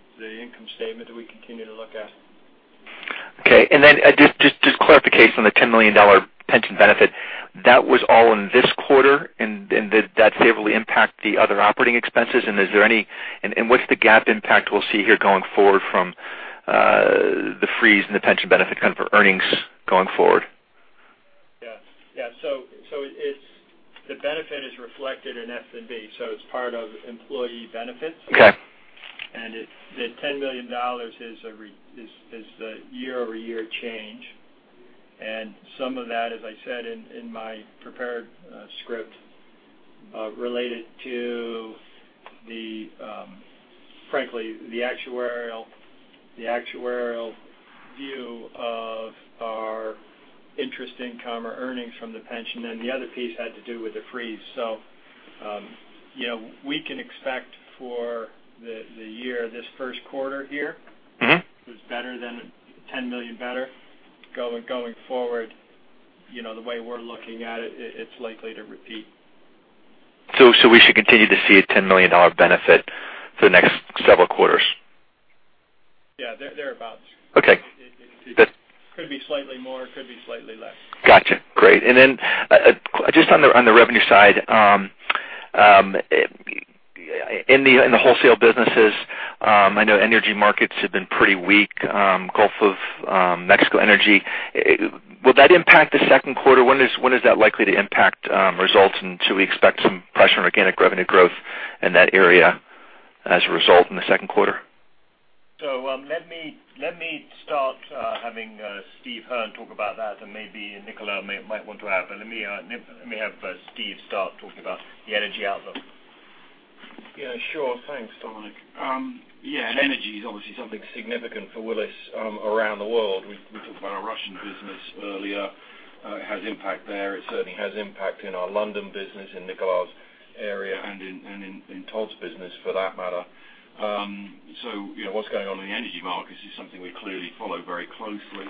income statement that we continue to look at. Okay. Just clarification on the $10 million pension benefit. That was all in this quarter. Did that favorably impact the other operating expenses? What's the GAAP impact we'll see here going forward from the freeze and the pension benefit kind of for earnings going forward? The benefit is reflected in S&B. It's part of employee benefits. Okay. The $10 million is the year-over-year change. Some of that, as I said in my prepared script, related to, frankly, the actuarial view of our interest income or earnings from the pension, and the other piece had to do with the freeze. We can expect for the year, this first quarter here- was better than, $10 million better. Going forward, the way we're looking at it's likely to repeat. We should continue to see a $10 million benefit for the next several quarters? Yeah. Thereabouts. Okay. It could be slightly more, could be slightly less. Got you. Great. Then just on the revenue side, in the wholesale businesses, I know energy markets have been pretty weak. Gulf of Mexico energy. Will that impact the second quarter? When is that likely to impact results? Should we expect some pressure on organic revenue growth in that area as a result in the second quarter? Let me start having Steve Hearn talk about that, and maybe Nicolas might want to add. Let me have Steve start talking about the energy outlook. Yeah, sure. Thanks, Dominic. Energy is obviously something significant for Willis around the world. We talked about our Russian business earlier. It has impact there. It certainly has impact in our London business, in Nicolas' area, and in Todd's business, for that matter. What's going on in the energy markets is something we clearly follow very closely.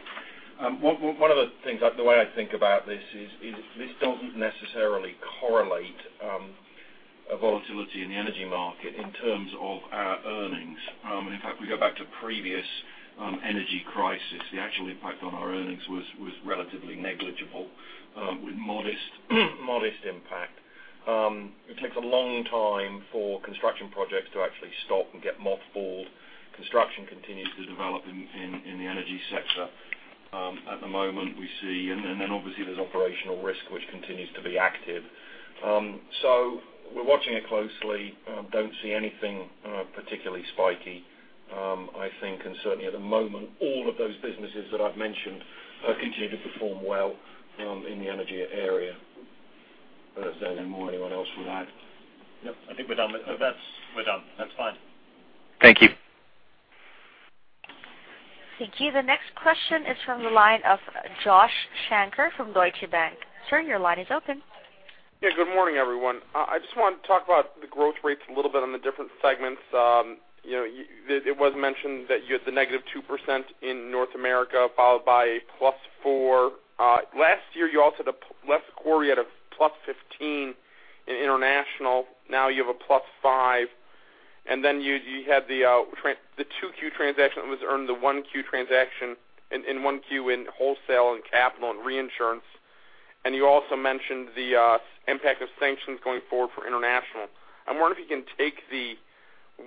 One of the things, the way I think about this is, this doesn't necessarily correlate volatility in the energy market in terms of our earnings. In fact, we go back to previous energy crisis, the actual impact on our earnings was relatively negligible, with modest impact. It takes a long time for construction projects to actually stop and get mothballed. Construction continues to develop in the energy sector. Then obviously there's operational risk, which continues to be active. We're watching it closely. Don't see anything particularly spiky. I think, and certainly at the moment, all of those businesses that I've mentioned have continued to perform well in the energy area. I don't know if there's any more anyone else would add. No, I think we're done with that. We're done. That's fine. Thank you. Thank you. The next question is from the line of Joshua Shanker from Deutsche Bank. Sir, your line is open. Yeah, good morning, everyone. I just wanted to talk about the growth rates a little bit on the different segments. It was mentioned that you had the -2% in Willis North America, followed by +4%. Last year you also had a large quarter at a +15% in Willis International. Now you have a +5%, and then you had the 2Q transaction that was earned, the 1Q transaction in 1Q in Willis Capital, Wholesale and Reinsurance. You also mentioned the impact of sanctions going forward for Willis International. I wonder if you can take the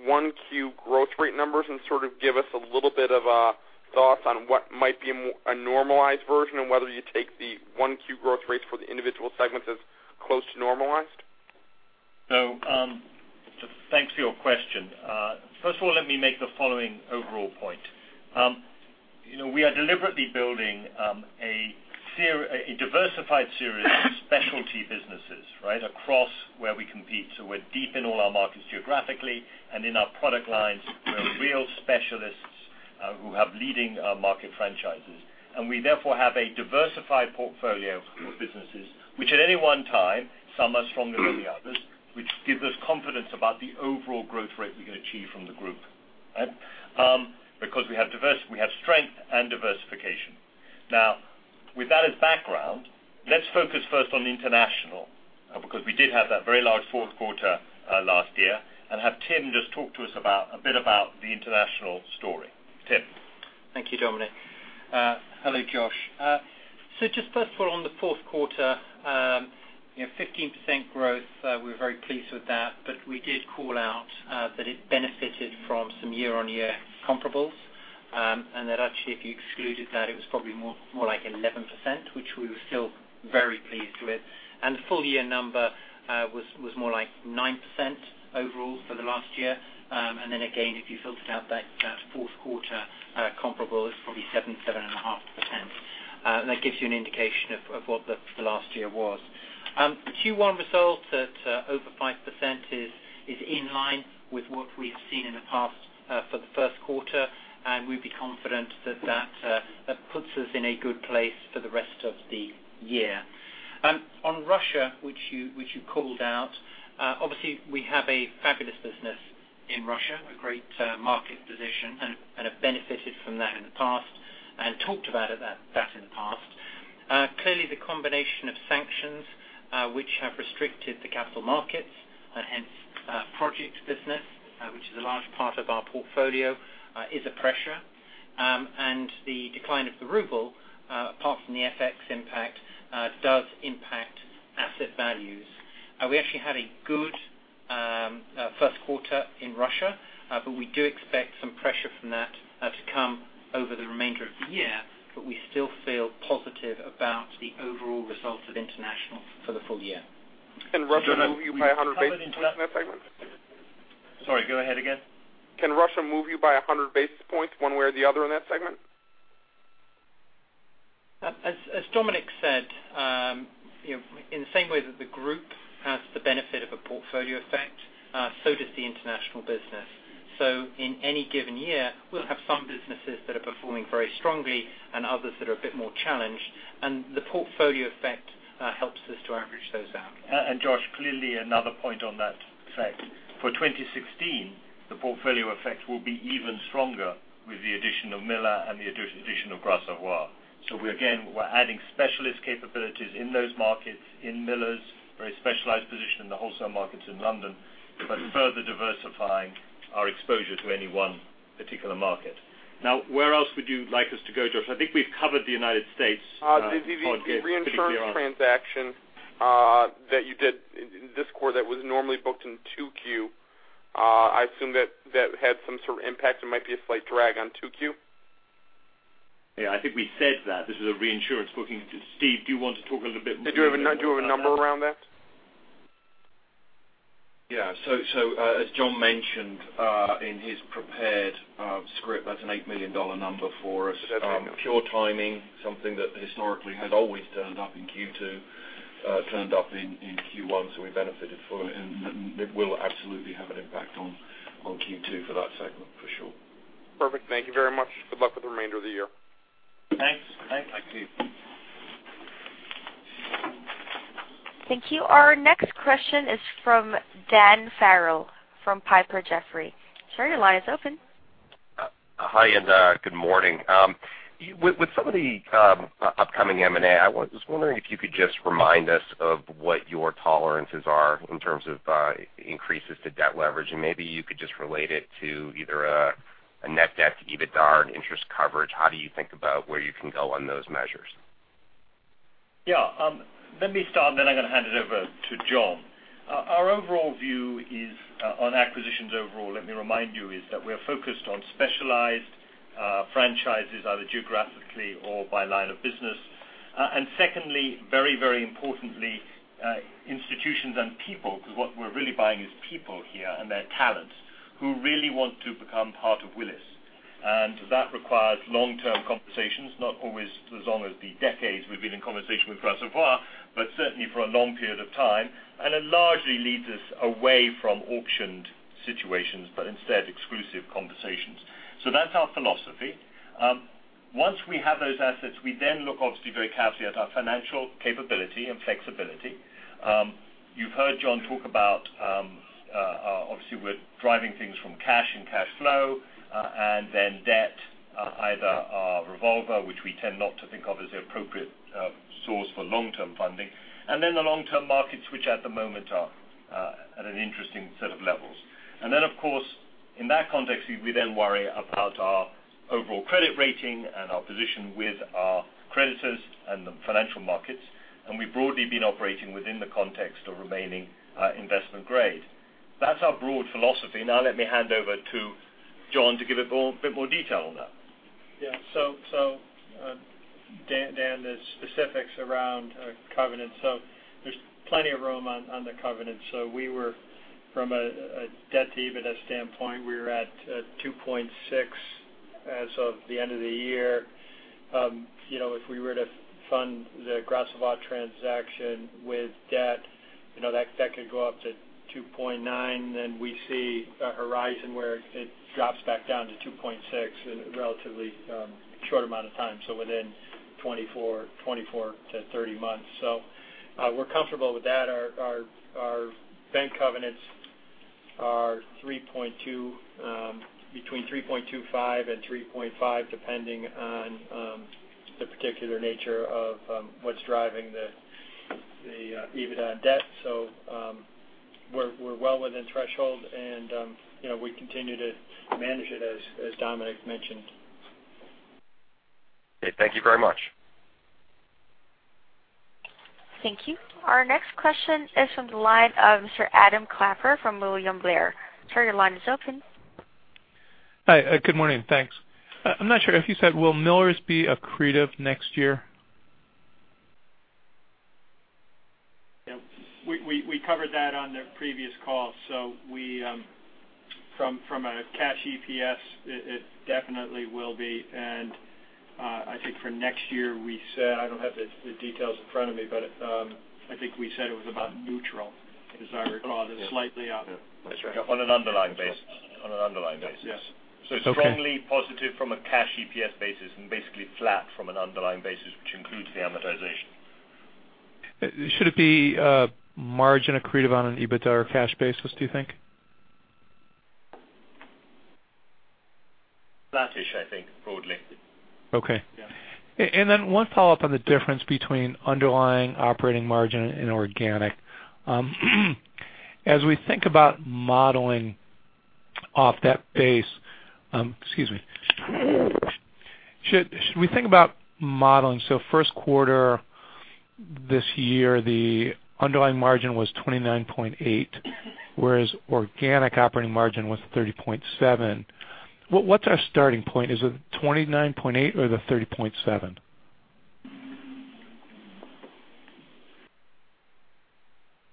1Q growth rate numbers and sort of give us a little bit of a thought on what might be a normalized version and whether you take the 1Q growth rates for the individual segments as close to normalized. Thanks for your question. First of all, let me make the following overall point. We are deliberately building a diversified series of specialty businesses, right? Across where we compete. We're deep in all our markets geographically and in our product lines. We're real specialists who have leading market franchises. We therefore have a diversified portfolio of businesses, which at any one time, some are stronger than the others, which gives us confidence about the overall growth rate we can achieve from the group. Because we have strength and diversification. With that as background, let's focus first on Willis International, because we did have that very large 4Q last year, and have Tim just talk to us a bit about the Willis International story. Tim? Thank you, Dominic. Hello, Josh. Just first of all, on the 4Q, 15% growth, we were very pleased with that, but we did call out that it benefited from some year-over-year comparables, and that actually if you excluded that, it was probably more like 11%, which we were still very pleased with. The full year number was more like 9% overall for the last year. Then again, if you filtered out that 4Q comparable, it's probably 7%, 7.5%. That gives you an indication of what the last year was. 1Q results at over 5% is in line with what we've seen in the past for the 1Q, and we'd be confident that puts us in a good place for the rest of the year. On Russia, which you called out, obviously we have a fabulous business in Russia, a great market position, and have benefited from that in the past, and talked about that in the past. Clearly, the combination of sanctions which have restricted the capital markets and hence projects business, which is a large part of our portfolio, is a pressure. The decline of the ruble, apart from the FX impact, does impact asset values. We actually had a good First quarter in Russia, but we do expect some pressure from that to come over the remainder of the year, but we still feel positive about the overall results of international for the full year. Can Russia move you by 100 basis points in that segment? Sorry, go ahead again. Can Russia move you by 100 basis points one way or the other in that segment? As Dominic said, in the same way that the group has the benefit of a portfolio effect, so does the international business. In any given year, we'll have some businesses that are performing very strongly and others that are a bit more challenged, and the portfolio effect helps us to average those out. Josh, clearly another point on that segment. For 2016, the portfolio effect will be even stronger with the addition of Miller and the addition of Gras Savoye. Again, we're adding specialist capabilities in those markets, in Miller's very specialized position in the wholesale markets in London, but further diversifying our exposure to any one particular market. Where else would you like us to go, Josh? I think we've covered the U.S. quite carefully here. The reinsurance transaction that you did in this quarter that was normally booked in 2Q, I assume that had some sort of impact and might be a slight drag on 2Q? Yeah, I think we said that this is a reinsurance booking. Steve, do you want to talk a little bit more about that? Do you have a number around that? Yeah. As John mentioned in his prepared script, that's an $8 million number for us. Is that right? Pure timing, something that historically had always turned up in Q2, turned up in Q1, so we benefited for it and it will absolutely have an impact on Q2 for that segment, for sure. Perfect. Thank you very much. Good luck with the remainder of the year. Thanks. Thank you. Thank you. Our next question is from Daniel Farrell from Piper Jaffray. Sir, your line is open. Hi. Good morning. With some of the upcoming M&A, I was wondering if you could just remind us of what your tolerances are in terms of increases to debt leverage, and maybe you could just relate it to either a net debt to EBITDA and interest coverage. How do you think about where you can go on those measures? Yeah. Let me start, then I'm going to hand it over to John. Our overall view on acquisitions overall, let me remind you, is that we are focused on specialized franchises, either geographically or by line of business. Secondly, very importantly, institutions and people, because what we're really buying is people here and their talents who really want to become part of Willis. That requires long-term conversations, not always as long as the decades we've been in conversation with Gras Savoye, but certainly for a long period of time. It largely leads us away from auctioned situations, but instead exclusive conversations. That's our philosophy. Once we have those assets, we then look obviously very carefully at our financial capability and flexibility. You've heard John talk about obviously we're driving things from cash and cash flow, and then debt, either our revolver, which we tend not to think of as the appropriate source for long-term funding. The long-term markets, which at the moment are at an interesting set of levels. Then, of course, in that context, we then worry about our overall credit rating and our position with our creditors and the financial markets. We've broadly been operating within the context of remaining investment grade. That's our broad philosophy. Now let me hand over to John to give a bit more detail on that. Yeah. Dan, the specifics around covenants. There's plenty of room on the covenants. From a debt to EBITDA standpoint, we were at 2.6 as of the end of the year. If we were to fund the Gras Savoye transaction with debt, that could go up to 2.9, then we see a horizon where it drops back down to 2.6 in a relatively short amount of time, so within 24 to 30 months. We're comfortable with that. Our bank covenants are between 3.25 and 3.5, depending on the particular nature of what's driving the EBITDA debt. We're well within threshold and we continue to manage it as Dominic mentioned. Okay. Thank you very much. Thank you. Our next question is from the line of Adam Klauber from William Blair. Sir, your line is open. Hi. Good morning. Thanks. I'm not sure if you said, will Miller's be accretive next year? We covered that on the previous call. From a Cash EPS, it definitely will be. I think for next year, we said, I don't have the details in front of me, but I think we said it was about neutral as our call. Yeah. Slightly up. That's right. On an underlying basis. Yes. Strongly positive from a Cash EPS basis and basically flat from an underlying basis, which includes the amortization. Should it be margin accretive on an EBITDA or cash basis, do you think? Flattish, I think, broadly. Okay. Yeah. One follow-up on the difference between underlying operating margin and organic. As we think about modeling off that base. Excuse me. Should we think about modeling? First quarter this year, the underlying margin was 29.8, whereas organic operating margin was 30.7. What's our starting point? Is it 29.8 or the 30.7?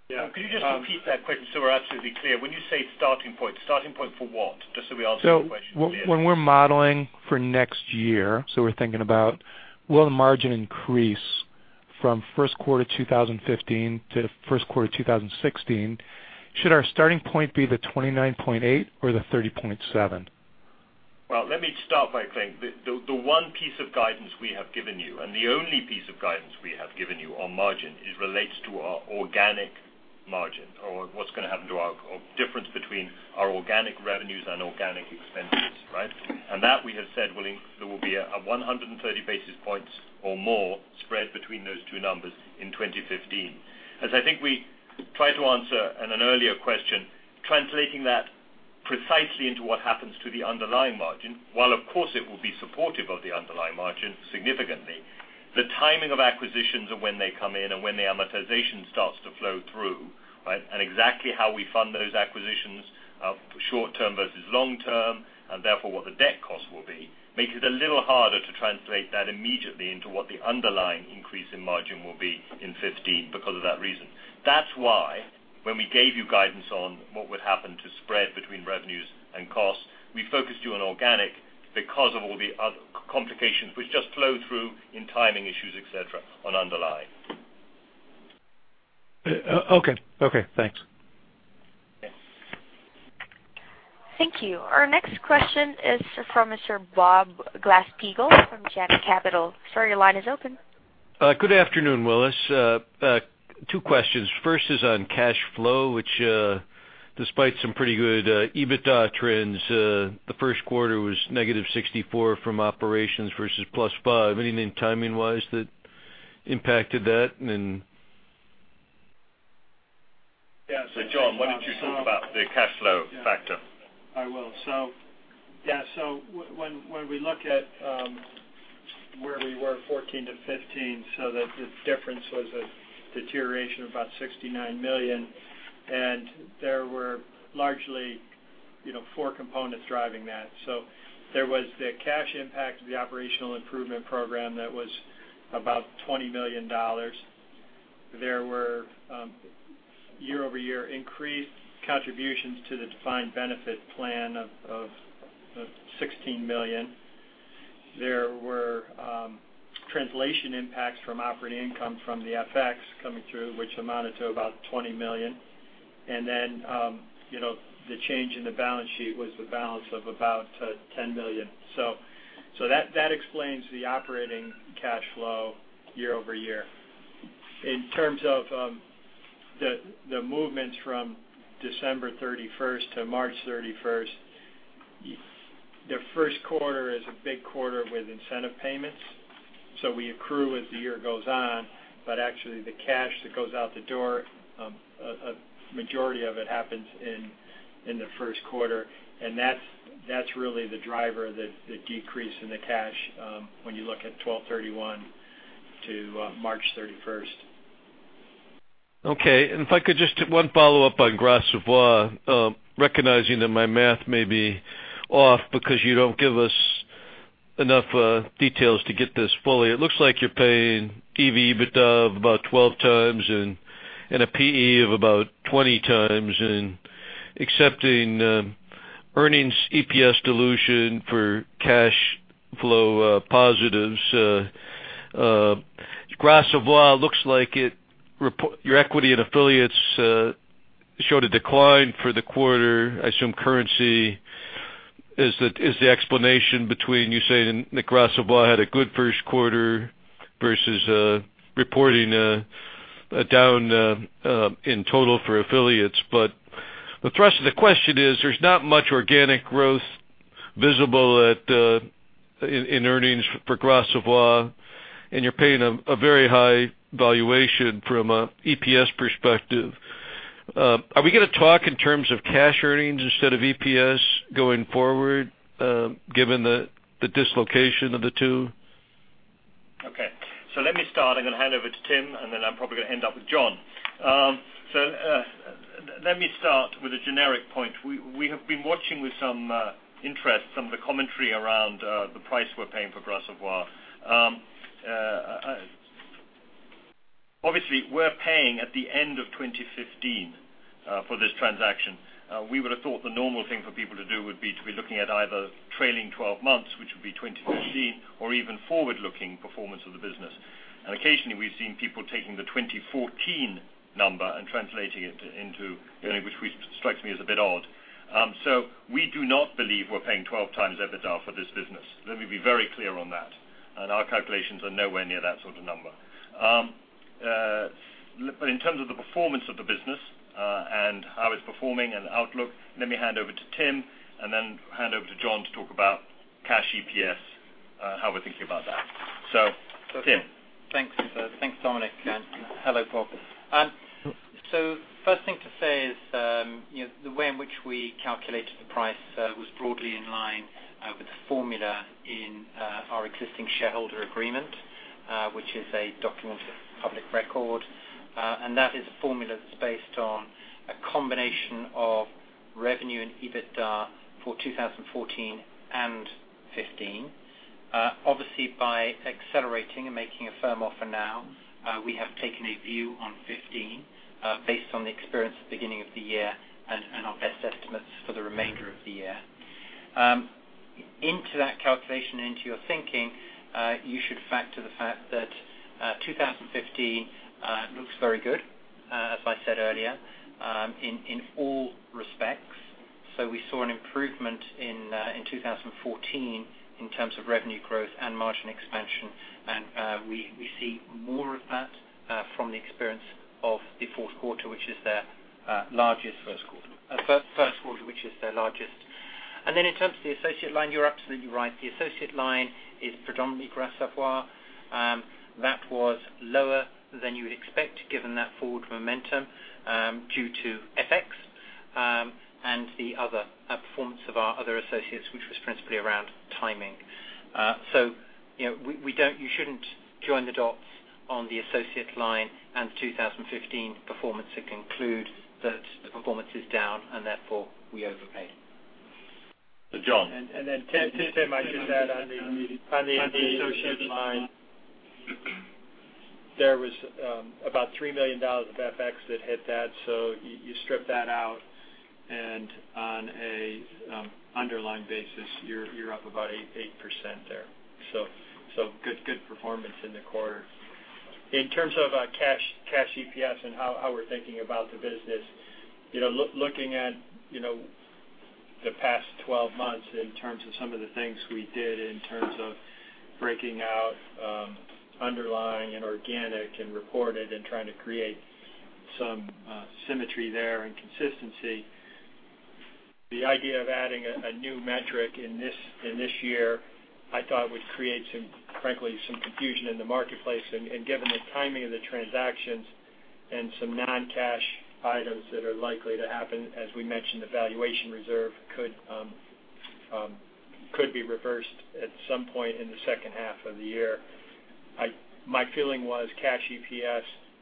Yeah. Could you just repeat that question so we're absolutely clear? When you say starting point, starting point for what? Just so we answer the question clearly. When we're modeling for next year, we're thinking about will the margin increase from first quarter 2015 to first quarter 2016, should our starting point be the 29.8 or the 30.7? Well, let me start by saying, the one piece of guidance we have given you, the only piece of guidance we have given you on margin, it relates to our organic margin or what's going to happen to our difference between our organic revenues and organic expenses, right? That we have said there will be a 130 basis points or more spread between those two numbers in 2015. As I think we tried to answer in an earlier question, translating that precisely into what happens to the underlying margin, while of course it will be supportive of the underlying margin significantly, the timing of acquisitions and when they come in and when the amortization starts to flow through, right? Exactly how we fund those acquisitions, short-term versus long-term, and therefore what the debt cost will be, makes it a little harder to translate that immediately into what the underlying increase in margin will be in 2015 because of that reason. That's why when we gave you guidance on what would happen to spread between revenues and costs, we focused you on organic because of all the other complications which just flow through in timing issues, et cetera, on underlying. Okay. Thanks. Yeah. Thank you. Our next question is from Mr. Bob Glasspiegel from Janney. Sir, your line is open. Good afternoon, Willis. Two questions. First is on cash flow, which despite some pretty good EBITDA trends, the first quarter was negative $64 from operations versus plus $5. Anything timing-wise that impacted that? Yeah. John, why don't you talk about the cash flow factor? I will. Yeah. When we look at where we were 2014 to 2015, the difference was a deterioration of about $69 million, and there were largely four components driving that. There was the cash impact of the operational improvement program that was about $20 million. There were year-over-year increased contributions to the defined benefit plan of $16 million. There were translation impacts from operating income from the FX coming through, which amounted to about $20 million. The change in the balance sheet was the balance of about $10 million. That explains the operating cash flow year-over-year. In terms of the movements from December 31st to March 31st, the first quarter is a big quarter with incentive payments. We accrue as the year goes on, but actually the cash that goes out the door, a majority of it happens in the first quarter. That's really the driver, the decrease in the cash, when you look at 12/31 to March 31st. Okay. If I could just, one follow-up on Gras Savoye, recognizing that my math may be off because you don't give us enough details to get this fully. It looks like you're paying EV/EBITDA of about 12 times and a P/E of about 20 times and accepting earnings EPS dilution for cash flow positives. Gras Savoye looks like your equity and affiliates showed a decline for the quarter. I assume currency is the explanation between you saying that Gras Savoye had a good first quarter versus reporting a down in total for affiliates. The thrust of the question is, there's not much organic growth visible in earnings for Gras Savoye, and you're paying a very high valuation from a EPS perspective. Are we going to talk in terms of cash earnings instead of EPS going forward, given the dislocation of the two? Okay. Let me start. I'm going to hand over to Tim, then I'm probably going to end up with John. Let me start with a generic point. We have been watching with some interest, some of the commentary around the price we're paying for Gras Savoye. Obviously, we're paying at the end of 2015 for this transaction. We would have thought the normal thing for people to do would be to be looking at either trailing 12 months, which would be 2015, or even forward-looking performance of the business. Occasionally, we've seen people taking the 2014 number and translating it into, which strikes me as a bit odd. We do not believe we're paying 12 times EBITDA for this business. Let me be very clear on that. Our calculations are nowhere near that sort of number. In terms of the performance of the business, and how it's performing and outlook, let me hand over to Tim and then hand over to John to talk about Cash EPS, how we're thinking about that. Tim. Thanks, Dominic, and hello, Bob. First thing to say is the way in which we calculated the price was broadly in line with the formula in our existing shareholder agreement, which is a document of public record. That is a formula that's based on a combination of revenue and EBITDA for 2014 and 2015. Obviously, by accelerating and making a firm offer now, we have taken a view on 2015, based on the experience at the beginning of the year and our best estimates for the remainder of the year. Into that calculation, into your thinking, you should factor the fact that 2015 looks very good, as I said earlier, in all respects. We saw an improvement in 2014 in terms of revenue growth and margin expansion, and we see more of that from the experience of the fourth quarter, which is their largest- First quarter. First quarter, which is their largest. In terms of the associate line, you're absolutely right. The associate line is predominantly Gras Savoye. That was lower than you would expect given that forward momentum, due to FX, and the other performance of our other associates, which was principally around timing. You shouldn't join the dots on the associate line and 2015 performance to conclude that the performance is down, and therefore we overpaid. John. To might just add on the associate line. There was about $3 million of FX that hit that. You strip that out, and on an underlying basis, you're up about 8% there. Good performance in the quarter. In terms of Cash EPS and how we're thinking about the business. Looking at the past 12 months in terms of some of the things we did in terms of breaking out underlying and organic and reported and trying to create some symmetry there and consistency. The idea of adding a new metric in this year, I thought, would create, frankly, some confusion in the marketplace, and given the timing of the transactions and some non-cash items that are likely to happen, as we mentioned, the valuation reserve could be reversed at some point in the second half of the year. My feeling was Cash EPS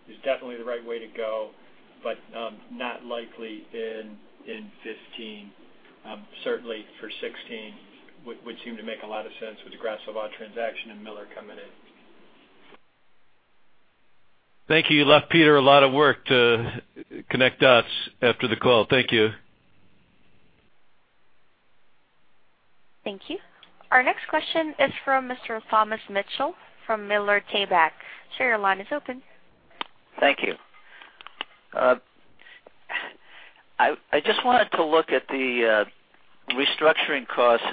is definitely the right way to go, but not likely in 2015. Certainly for 2016 would seem to make a lot of sense with the Gras Savoye transaction and Miller coming in. Thank you. You left Peter a lot of work to connect dots after the call. Thank you. Thank you. Our next question is from Mr. Thomas Mitchell from Miller Tabak. Sir, your line is open. Thank you. I just wanted to look at the restructuring costs,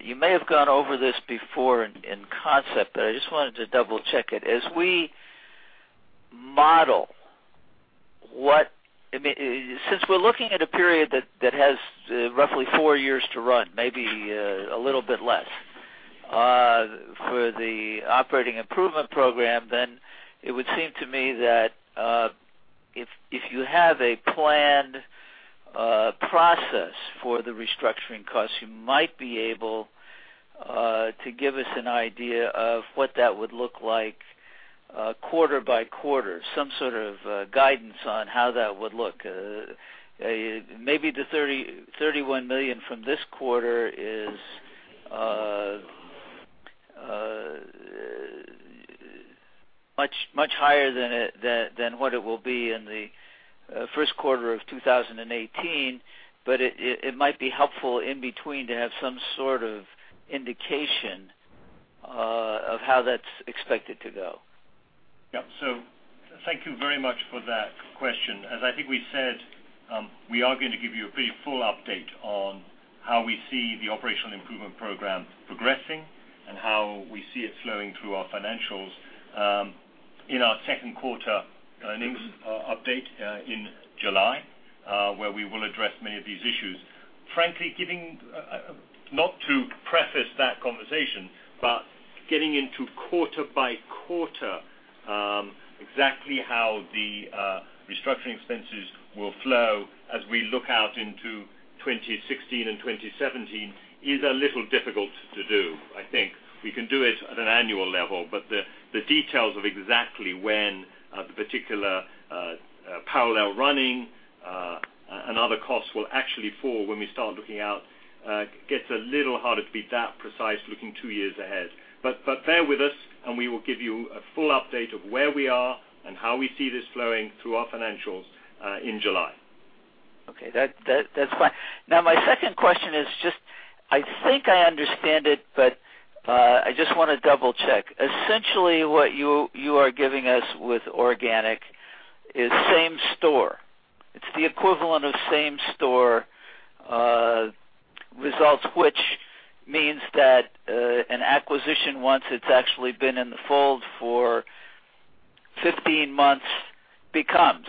you may have gone over this before in concept, I just wanted to double-check it. As we model, since we're looking at a period that has roughly four years to run, maybe a little bit less for the Operational Improvement Program, it would seem to me that if you have a planned process for the restructuring costs, you might be able to give us an idea of what that would look like quarter by quarter, some sort of guidance on how that would look. Maybe the $31 million from this quarter is much higher than what it will be in the first quarter of 2018, it might be helpful in between to have some sort of indication of how that's expected to go. Yeah. Thank you very much for that question. As I think we said, we are going to give you a pretty full update on how we see the Operational Improvement Program progressing and how we see it flowing through our financials in our second quarter earnings update in July, where we will address many of these issues. Frankly, not to preface that conversation, getting into quarter by quarter exactly how the restructuring expenses will flow as we look out into 2016 and 2017 is a little difficult to do, I think. We can do it at an annual level, the details of exactly when the particular parallel running and other costs will actually fall when we start looking out gets a little harder to be that precise looking two years ahead. Bear with us, and we will give you a full update of where we are and how we see this flowing through our financials in July. Okay. That's fine. My second question is, I think I understand it, but I want to double-check. Essentially, what you are giving us with organic is same store. It's the equivalent of same store results, which means that an acquisition, once it's actually been in the fold for 15 months, becomes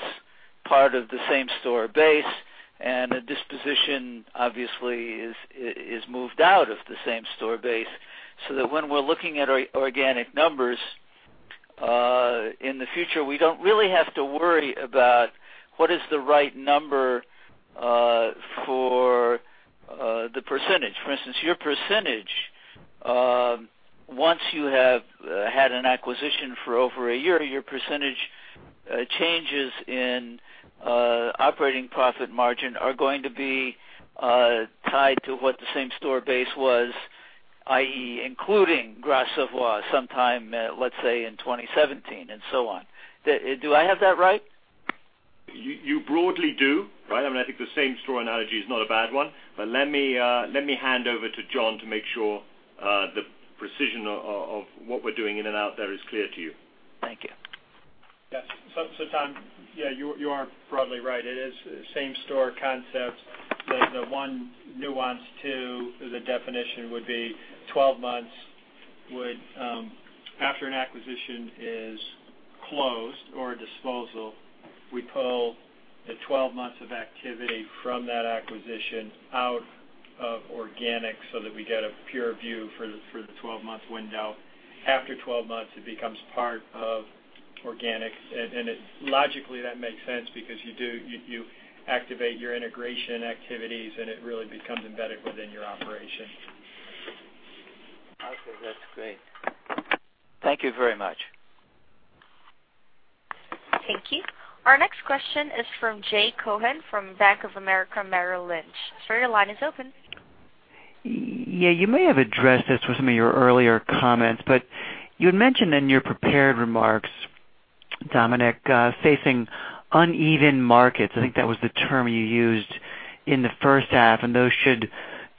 part of the same store base, and a disposition obviously is moved out of the same store base, so that when we're looking at our organic numbers in the future, we don't really have to worry about what is the right number for the percentage. For instance, your percentage, once you have had an acquisition for over a year, your percentage changes in operating profit margin are going to be tied to what the same store base was, i.e., including Gras Savoye sometime, let's say, in 2017 and so on. Do I have that right? You broadly do, right? I think the same store analogy is not a bad one. Let me hand over to John to make sure the precision of what we're doing in and out there is clear to you. Thank you. Yes. Tom, you are broadly right. It is same store concept. There's one nuance to the definition: after an acquisition is closed or a disposal, we pull the 12 months of activity from that acquisition out of organic so that we get a pure view for the 12-month window. After 12 months, it becomes part of organic. Logically that makes sense because you activate your integration activities, and it really becomes embedded within your operation. Okay. That's great. Thank you very much. Thank you. Our next question is from Jay Cohen from Bank of America, Merrill Lynch. Sir, your line is open. Yeah. You may have addressed this with some of your earlier comments. You had mentioned in your prepared remarks, Dominic, facing uneven markets, I think that was the term you used in the first half. Those should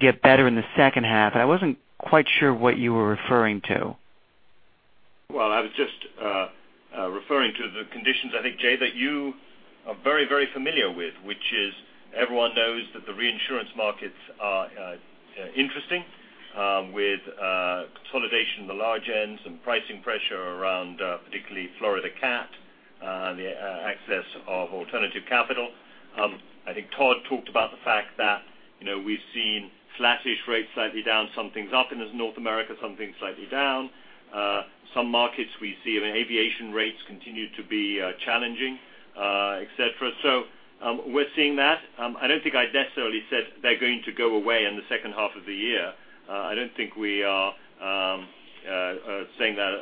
get better in the second half. I wasn't quite sure what you were referring to. I was just referring to the conditions, I think, Jay, that you are very familiar with, which is everyone knows that the reinsurance markets are interesting with consolidation in the large end, some pricing pressure around particularly Florida cat, the access of alternative capital. I think Todd talked about the fact that we've seen flattish rates slightly down, some things up in Willis North America, some things slightly down. Some markets we see aviation rates continue to be challenging, et cetera. We're seeing that. I don't think I necessarily said they're going to go away in the second half of the year. I don't think we are saying that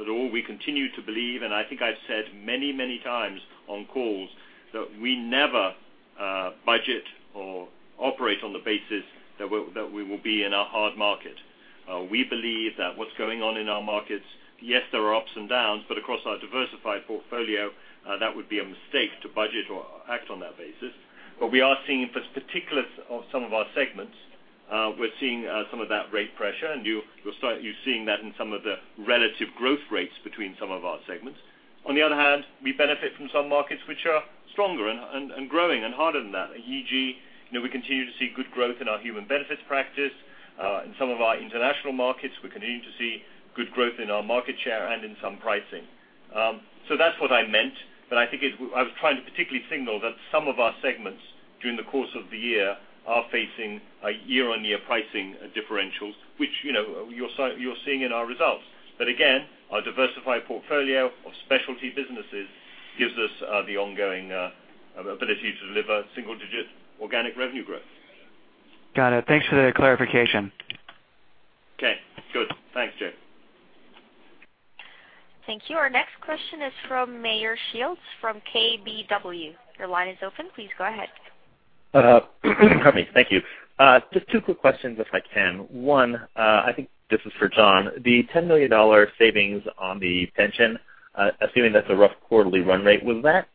at all. We continue to believe, and I think I've said many times on calls that we never budget or operate on the basis that we will be in a hard market. We believe that what's going on in our markets, yes, there are ups and downs, across our diversified portfolio, that would be a mistake to budget or act on that basis. We are seeing for particulars of some of our segments, we're seeing some of that rate pressure, and you're seeing that in some of the relative growth rates between some of our segments. On the other hand, we benefit from some markets which are stronger and growing and harder than that, e.g., we continue to see good growth in our human benefits practice. In some of our Willis International markets, we continue to see good growth in our market share and in some pricing. That's what I meant. I think I was trying to particularly signal that some of our segments during the course of the year are facing a year-on-year pricing differentials, which you're seeing in our results. Again, our diversified portfolio of specialty businesses gives us the ongoing ability to deliver single digit organic revenue growth. Got it. Thanks for the clarification. Okay, good. Thanks, Jay. Thank you. Our next question is from Meyer Shields from KBW. Your line is open. Please go ahead. Thank you. Just two quick questions if I can. One, I think this is for John. The $10 million savings on the pension, assuming that's a rough quarterly run rate, was that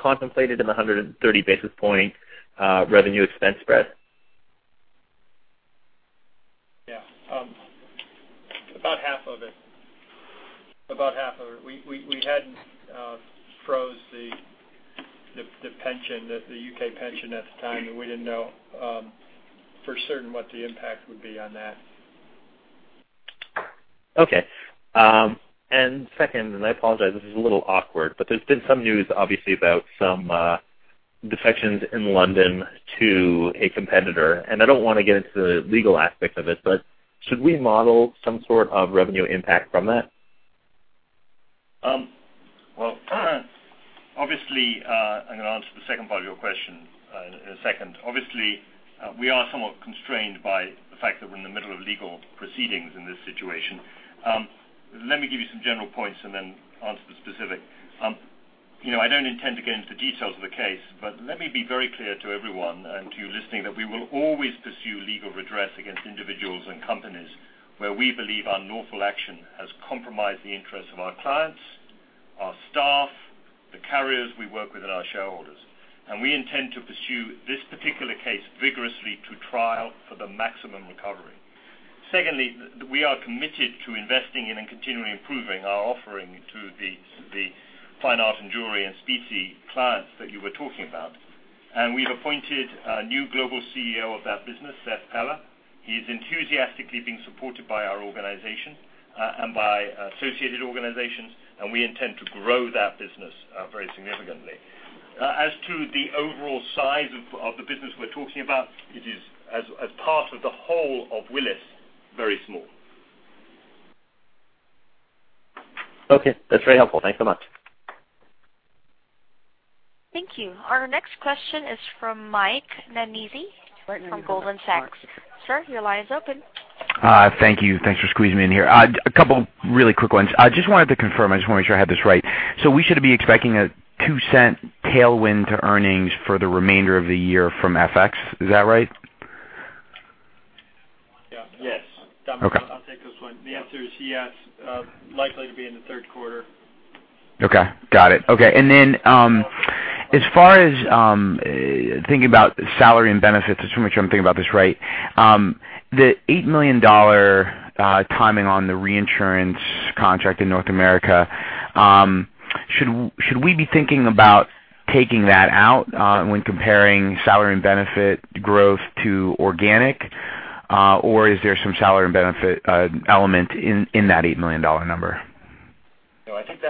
contemplated in the 130 basis point revenue expense spread? Yeah. About half of it. We hadn't froze the pension, the U.K. pension at the time, and we didn't know for certain what the impact would be on that. Okay. Second, I apologize, this is a little awkward, there's been some news obviously about some defections in London to a competitor, I don't want to get into the legal aspect of it, should we model some sort of revenue impact from that? Well, obviously, I'm going to answer the second part of your question in a second. Obviously, we are somewhat constrained by the fact that we're in the middle of legal proceedings in this situation. Let me give you some general points, answer the specific. I don't intend to get into the details of the case, let me be very clear to everyone and to you listening that we will always pursue legal redress against individuals and companies where we believe unlawful action has compromised the interests of our clients, our staff, the carriers we work with, and our shareholders. We intend to pursue this particular case vigorously to trial for the maximum recovery. Secondly, we are committed to investing in and continually improving our offering to the fine art and jewelry and specie clients that you were talking about. We've appointed a new global CEO of that business, Seth Peller. He's enthusiastically being supported by our organization and by associated organizations, we intend to grow that business very significantly. As to the overall size of the business we're talking about, it is, as part of the whole of Willis, very small. Okay. That's very helpful. Thanks so much. Thank you. Our next question is from Michael Nannizzi from Goldman Sachs. Sir, your line is open. Thank you. Thanks for squeezing me in here. A couple really quick ones. I just wanted to confirm, I just want to make sure I have this right. We should be expecting a $0.02 tailwind to earnings for the remainder of the year from FX, is that right? Yes. Yes. Okay. Dominic, I'll take this one. The answer is yes, likely to be in the third quarter. Okay. Got it. Okay. Then, as far as thinking about salary and benefits, just want to make sure I'm thinking about this right. The $8 million timing on the reinsurance contract in Willis North America, should we be thinking about taking that out when comparing salary and benefit growth to organic, or is there some salary and benefit element in that $8 million number? No, I think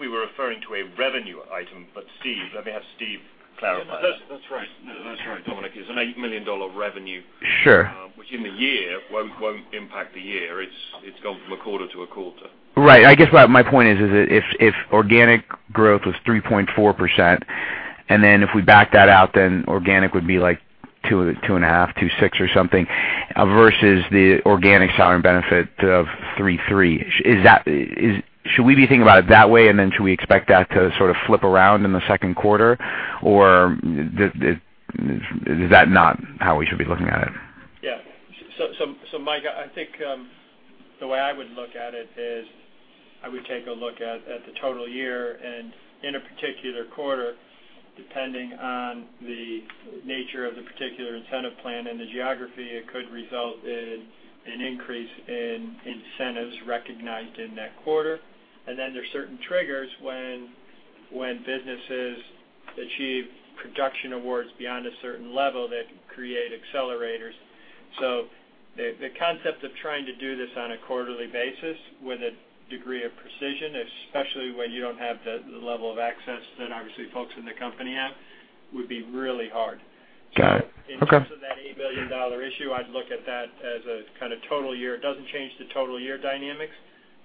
we were referring to a revenue item, but let me have Steve clarify. That's right, Dominic. It's an $8 million revenue. Sure. Which in the year, won't impact the year. It's gone from a quarter to a quarter. Right. I guess my point is that if organic growth was 3.4%, and then if we back that out, then organic would be like 2.5%, 2.6% or something, versus the organic salary and benefit of 3.3%. Should we be thinking about it that way, and then should we expect that to sort of flip around in the second quarter, or is that not how we should be looking at it? Yeah. Mike, I think the way I would look at it is, I would take a look at the total year and in a particular quarter, depending on the nature of the particular incentive plan and the geography, it could result in an increase in incentives recognized in that quarter. Then there's certain triggers when businesses achieve production awards beyond a certain level that create accelerators. The concept of trying to do this on a quarterly basis with a degree of precision, especially when you don't have the level of access that obviously folks in the company have, would be really hard. Got it. Okay. In terms of that $8 million issue, I'd look at that as a kind of total year. It doesn't change the total year dynamics.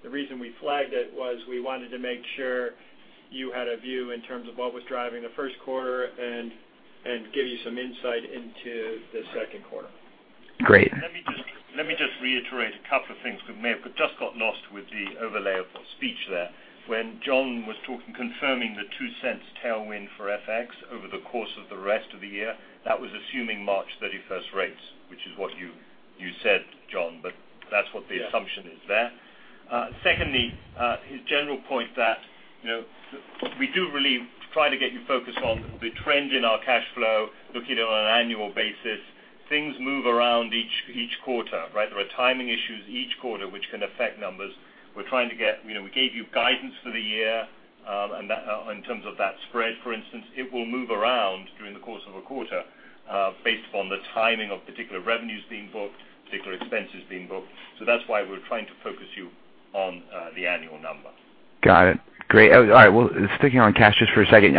The reason we flagged it was we wanted to make sure you had a view in terms of what was driving the first quarter and give you some insight into the second quarter. Great. Let me just reiterate a couple of things that may have just got lost with the overlay of speech there. When John was confirming the $0.02 tailwind for FX over the course of the rest of the year, that was assuming March 31st rates, which is what you said, John, but that's what the assumption is there. Secondly, his general point that we do really try to get you focused on the trend in our cash flow, looking at it on an annual basis. Things move around each quarter, right? There are timing issues each quarter, which can affect numbers. We gave you guidance for the year, in terms of that spread, for instance. It will move around during the course of a quarter, based upon the timing of particular revenues being booked, particular expenses being booked. That's why we're trying to focus you on the annual number. Got it. Great. All right. Sticking on cash just for a second.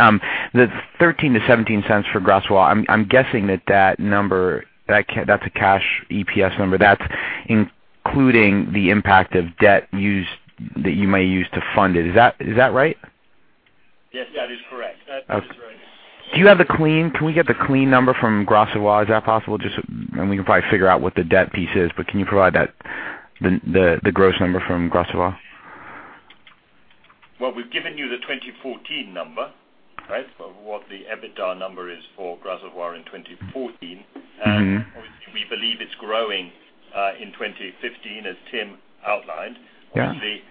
The $0.13-$0.17 for Gras Savoye, I'm guessing that that number, that's a Cash EPS number. That's including the impact of debt that you may use to fund it. Is that right? Yes, that is correct. That is right. Can we get the clean number from Gras Savoye? Is that possible? We can probably figure out what the debt piece is, but can you provide the gross number from Gras Savoye? Well, we've given you the 2014 number, right? For what the EBITDA number is for Gras Savoye in 2014. Obviously, we believe it's growing, in 2015, as Tim outlined. Yeah. Obviously,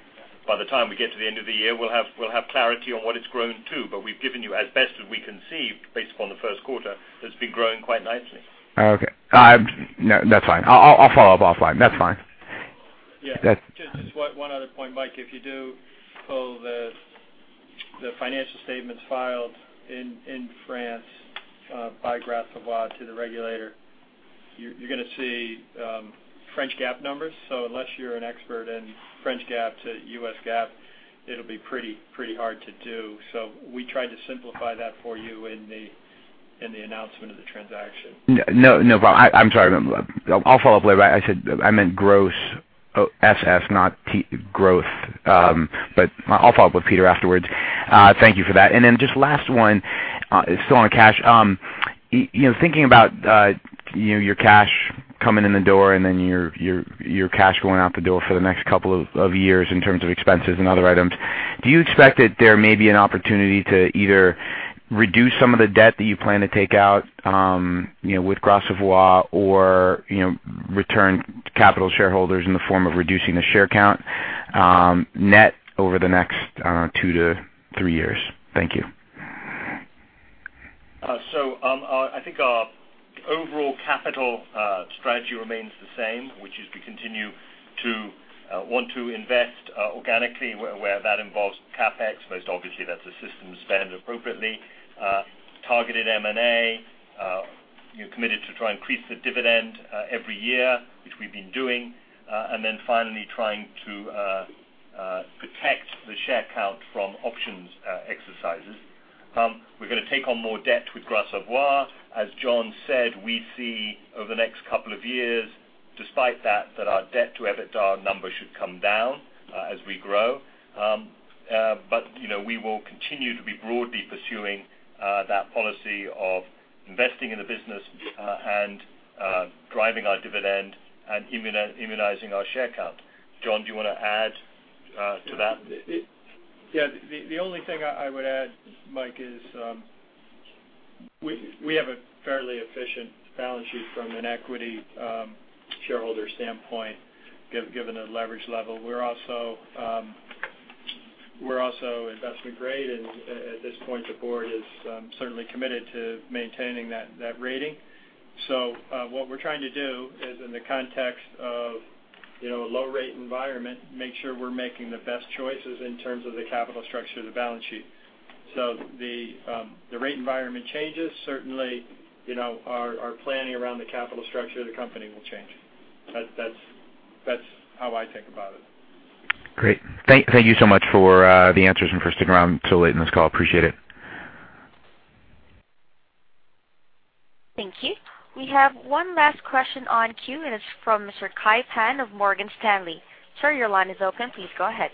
by the time we get to the end of the year, we'll have clarity on what it's grown to, but we've given you as best as we can see, based upon the first quarter, that it's been growing quite nicely. Okay. No, that's fine. I'll follow up offline. That's fine. Yeah. Just one other point, Mike. If you do pull the financial statements filed in France by Gras Savoye to the regulator, you're going to see French GAAP numbers. Unless you're an expert in French GAAP to US GAAP, it'll be pretty hard to do. We tried to simplify that for you in the announcement of the transaction. No, I'm sorry. I'll follow up later. I meant gross SS, not growth. I'll follow up with Peter afterwards. Thank you for that. Just last one, still on cash. Thinking about your cash coming in the door and then your cash going out the door for the next couple of years in terms of expenses and other items. Do you expect that there may be an opportunity to either reduce some of the debt that you plan to take out with Gras Savoye or return capital to shareholders in the form of reducing the share count, net over the next two to three years? Thank you. I think our overall capital strategy remains the same, which is we continue to want to invest organically where that involves CapEx. Most obviously, that's a system spend appropriately. Targeted M&A. Committed to try and increase the dividend every year, which we've been doing. Finally trying to protect the share count from options exercises. We're going to take on more debt with Gras Savoye. As John said, we see over the next couple of years, despite that our debt to EBITDA number should come down as we grow. We will continue to be broadly pursuing that policy of investing in the business and driving our dividend and immunizing our share count. John, do you want to add to that? Yeah. The only thing I would add, Mike, is we have a fairly efficient balance sheet from an equity shareholder standpoint, given the leverage level. We're also investment grade. At this point, the board is certainly committed to maintaining that rating. What we're trying to do is in the context of a low-rate environment, make sure we're making the best choices in terms of the capital structure of the balance sheet. If the rate environment changes, certainly our planning around the capital structure of the company will change. That's how I think about it. Great. Thank you so much for the answers and for sticking around till late in this call. Appreciate it. Thank you. We have one last question on queue. It's from Mr. Kai Pan of Morgan Stanley. Sir, your line is open. Please go ahead.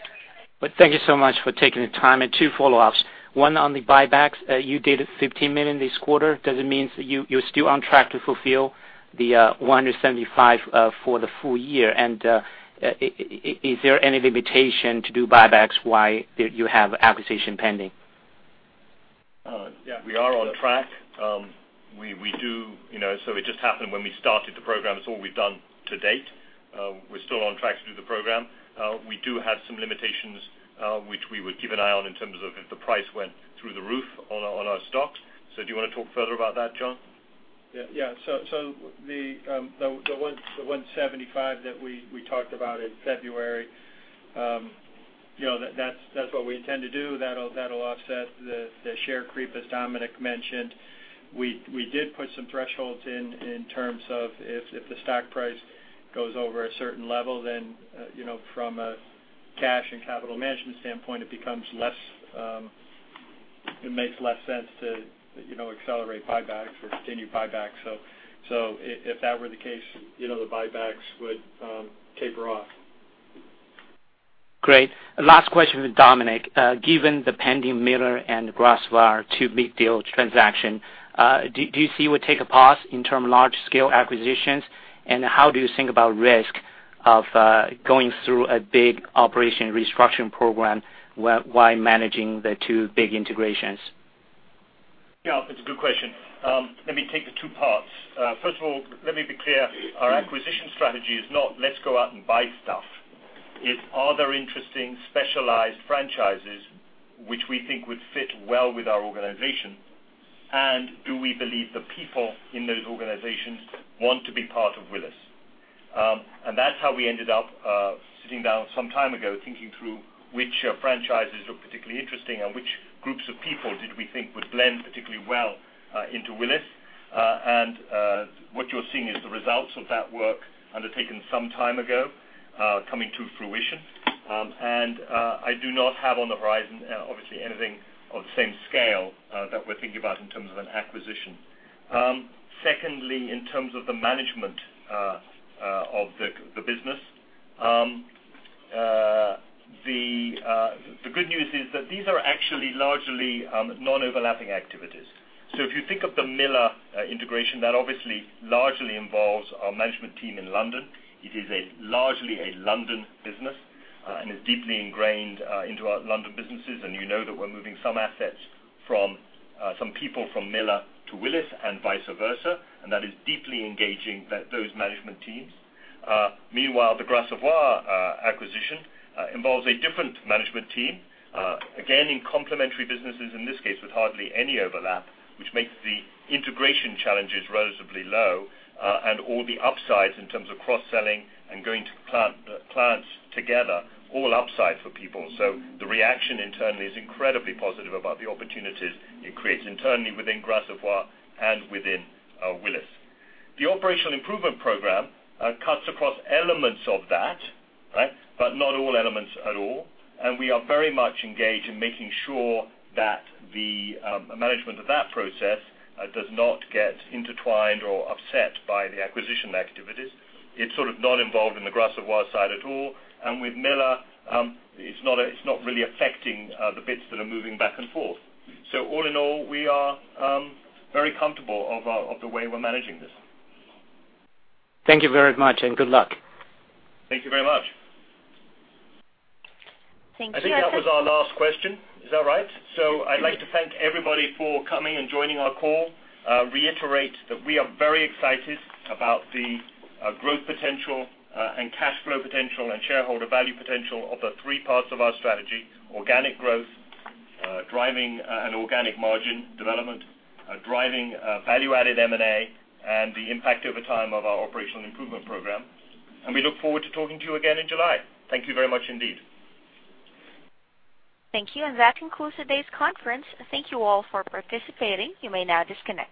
Thank you so much for taking the time. Two follow-ups. One on the buybacks. You did $15 million this quarter. Does it mean you're still on track to fulfill the $175 million for the full year? Is there any limitation to do buybacks while you have acquisition pending? Yeah, we are on track. It just happened when we started the program. It's all we've done to date. We're still on track to do the program. We do have some limitations which we would keep an eye on in terms of if the price went through the roof on our stocks. Do you want to talk further about that, John? The 175 that we talked about in February, that's what we intend to do. That'll offset the share creep, as Dominic mentioned. We did put some thresholds in terms of if the stock price goes over a certain level, then from a cash and capital management standpoint, it makes less sense to accelerate buybacks or continue buybacks. If that were the case, the buybacks would taper off. Great. Last question for Dominic. Given the pending Miller and Gras Savoye two big deal transaction, do you see you would take a pause in term large-scale acquisitions? How do you think about risk of going through a big operation restructuring program while managing the two big integrations? Yeah, it's a good question. Let me take the two parts. First of all, let me be clear. Our acquisition strategy is not, let's go out and buy stuff. It's are there interesting, specialized franchises which we think would fit well with our organization, and do we believe the people in those organizations want to be part of Willis? That's how we ended up sitting down some time ago, thinking through which franchises look particularly interesting and which groups of people did we think would blend particularly well into Willis. What you're seeing is the results of that work undertaken some time ago coming to fruition. I do not have on the horizon, obviously, anything of the same scale that we're thinking about in terms of an acquisition. Secondly, in terms of the management of the business, the good news is that these are actually largely non-overlapping activities. If you think of the Miller integration, that obviously largely involves our management team in London. It is largely a London business and is deeply ingrained into our London businesses. You know that we're moving some people from Miller to Willis and vice versa, and that is deeply engaging those management teams. Meanwhile, the Gras Savoye acquisition involves a different management team, again, in complementary businesses, in this case, with hardly any overlap, which makes the integration challenges relatively low and all the upsides in terms of cross-selling and going to clients together all upside for people. The reaction internally is incredibly positive about the opportunities it creates internally within Gras Savoye and within Willis. The operational improvement program cuts across elements of that, but not all elements at all, and we are very much engaged in making sure that the management of that process does not get intertwined or upset by the acquisition activities. It's sort of not involved in the Gras Savoye side at all. And with Miller, it's not really affecting the bits that are moving back and forth. So all in all, we are very comfortable of the way we're managing this. Thank you very much, and good luck. Thank you very much. Thank you. I think that was our last question. Is that right? I'd like to thank everybody for coming and joining our call. Reiterate that we are very excited about the growth potential and cash flow potential and shareholder value potential of the three parts of our strategy, organic growth, driving an organic margin development, driving value-added M&A, and the impact over time of our operational improvement program. We look forward to talking to you again in July. Thank you very much indeed. Thank you. That concludes today's conference. Thank you all for participating. You may now disconnect.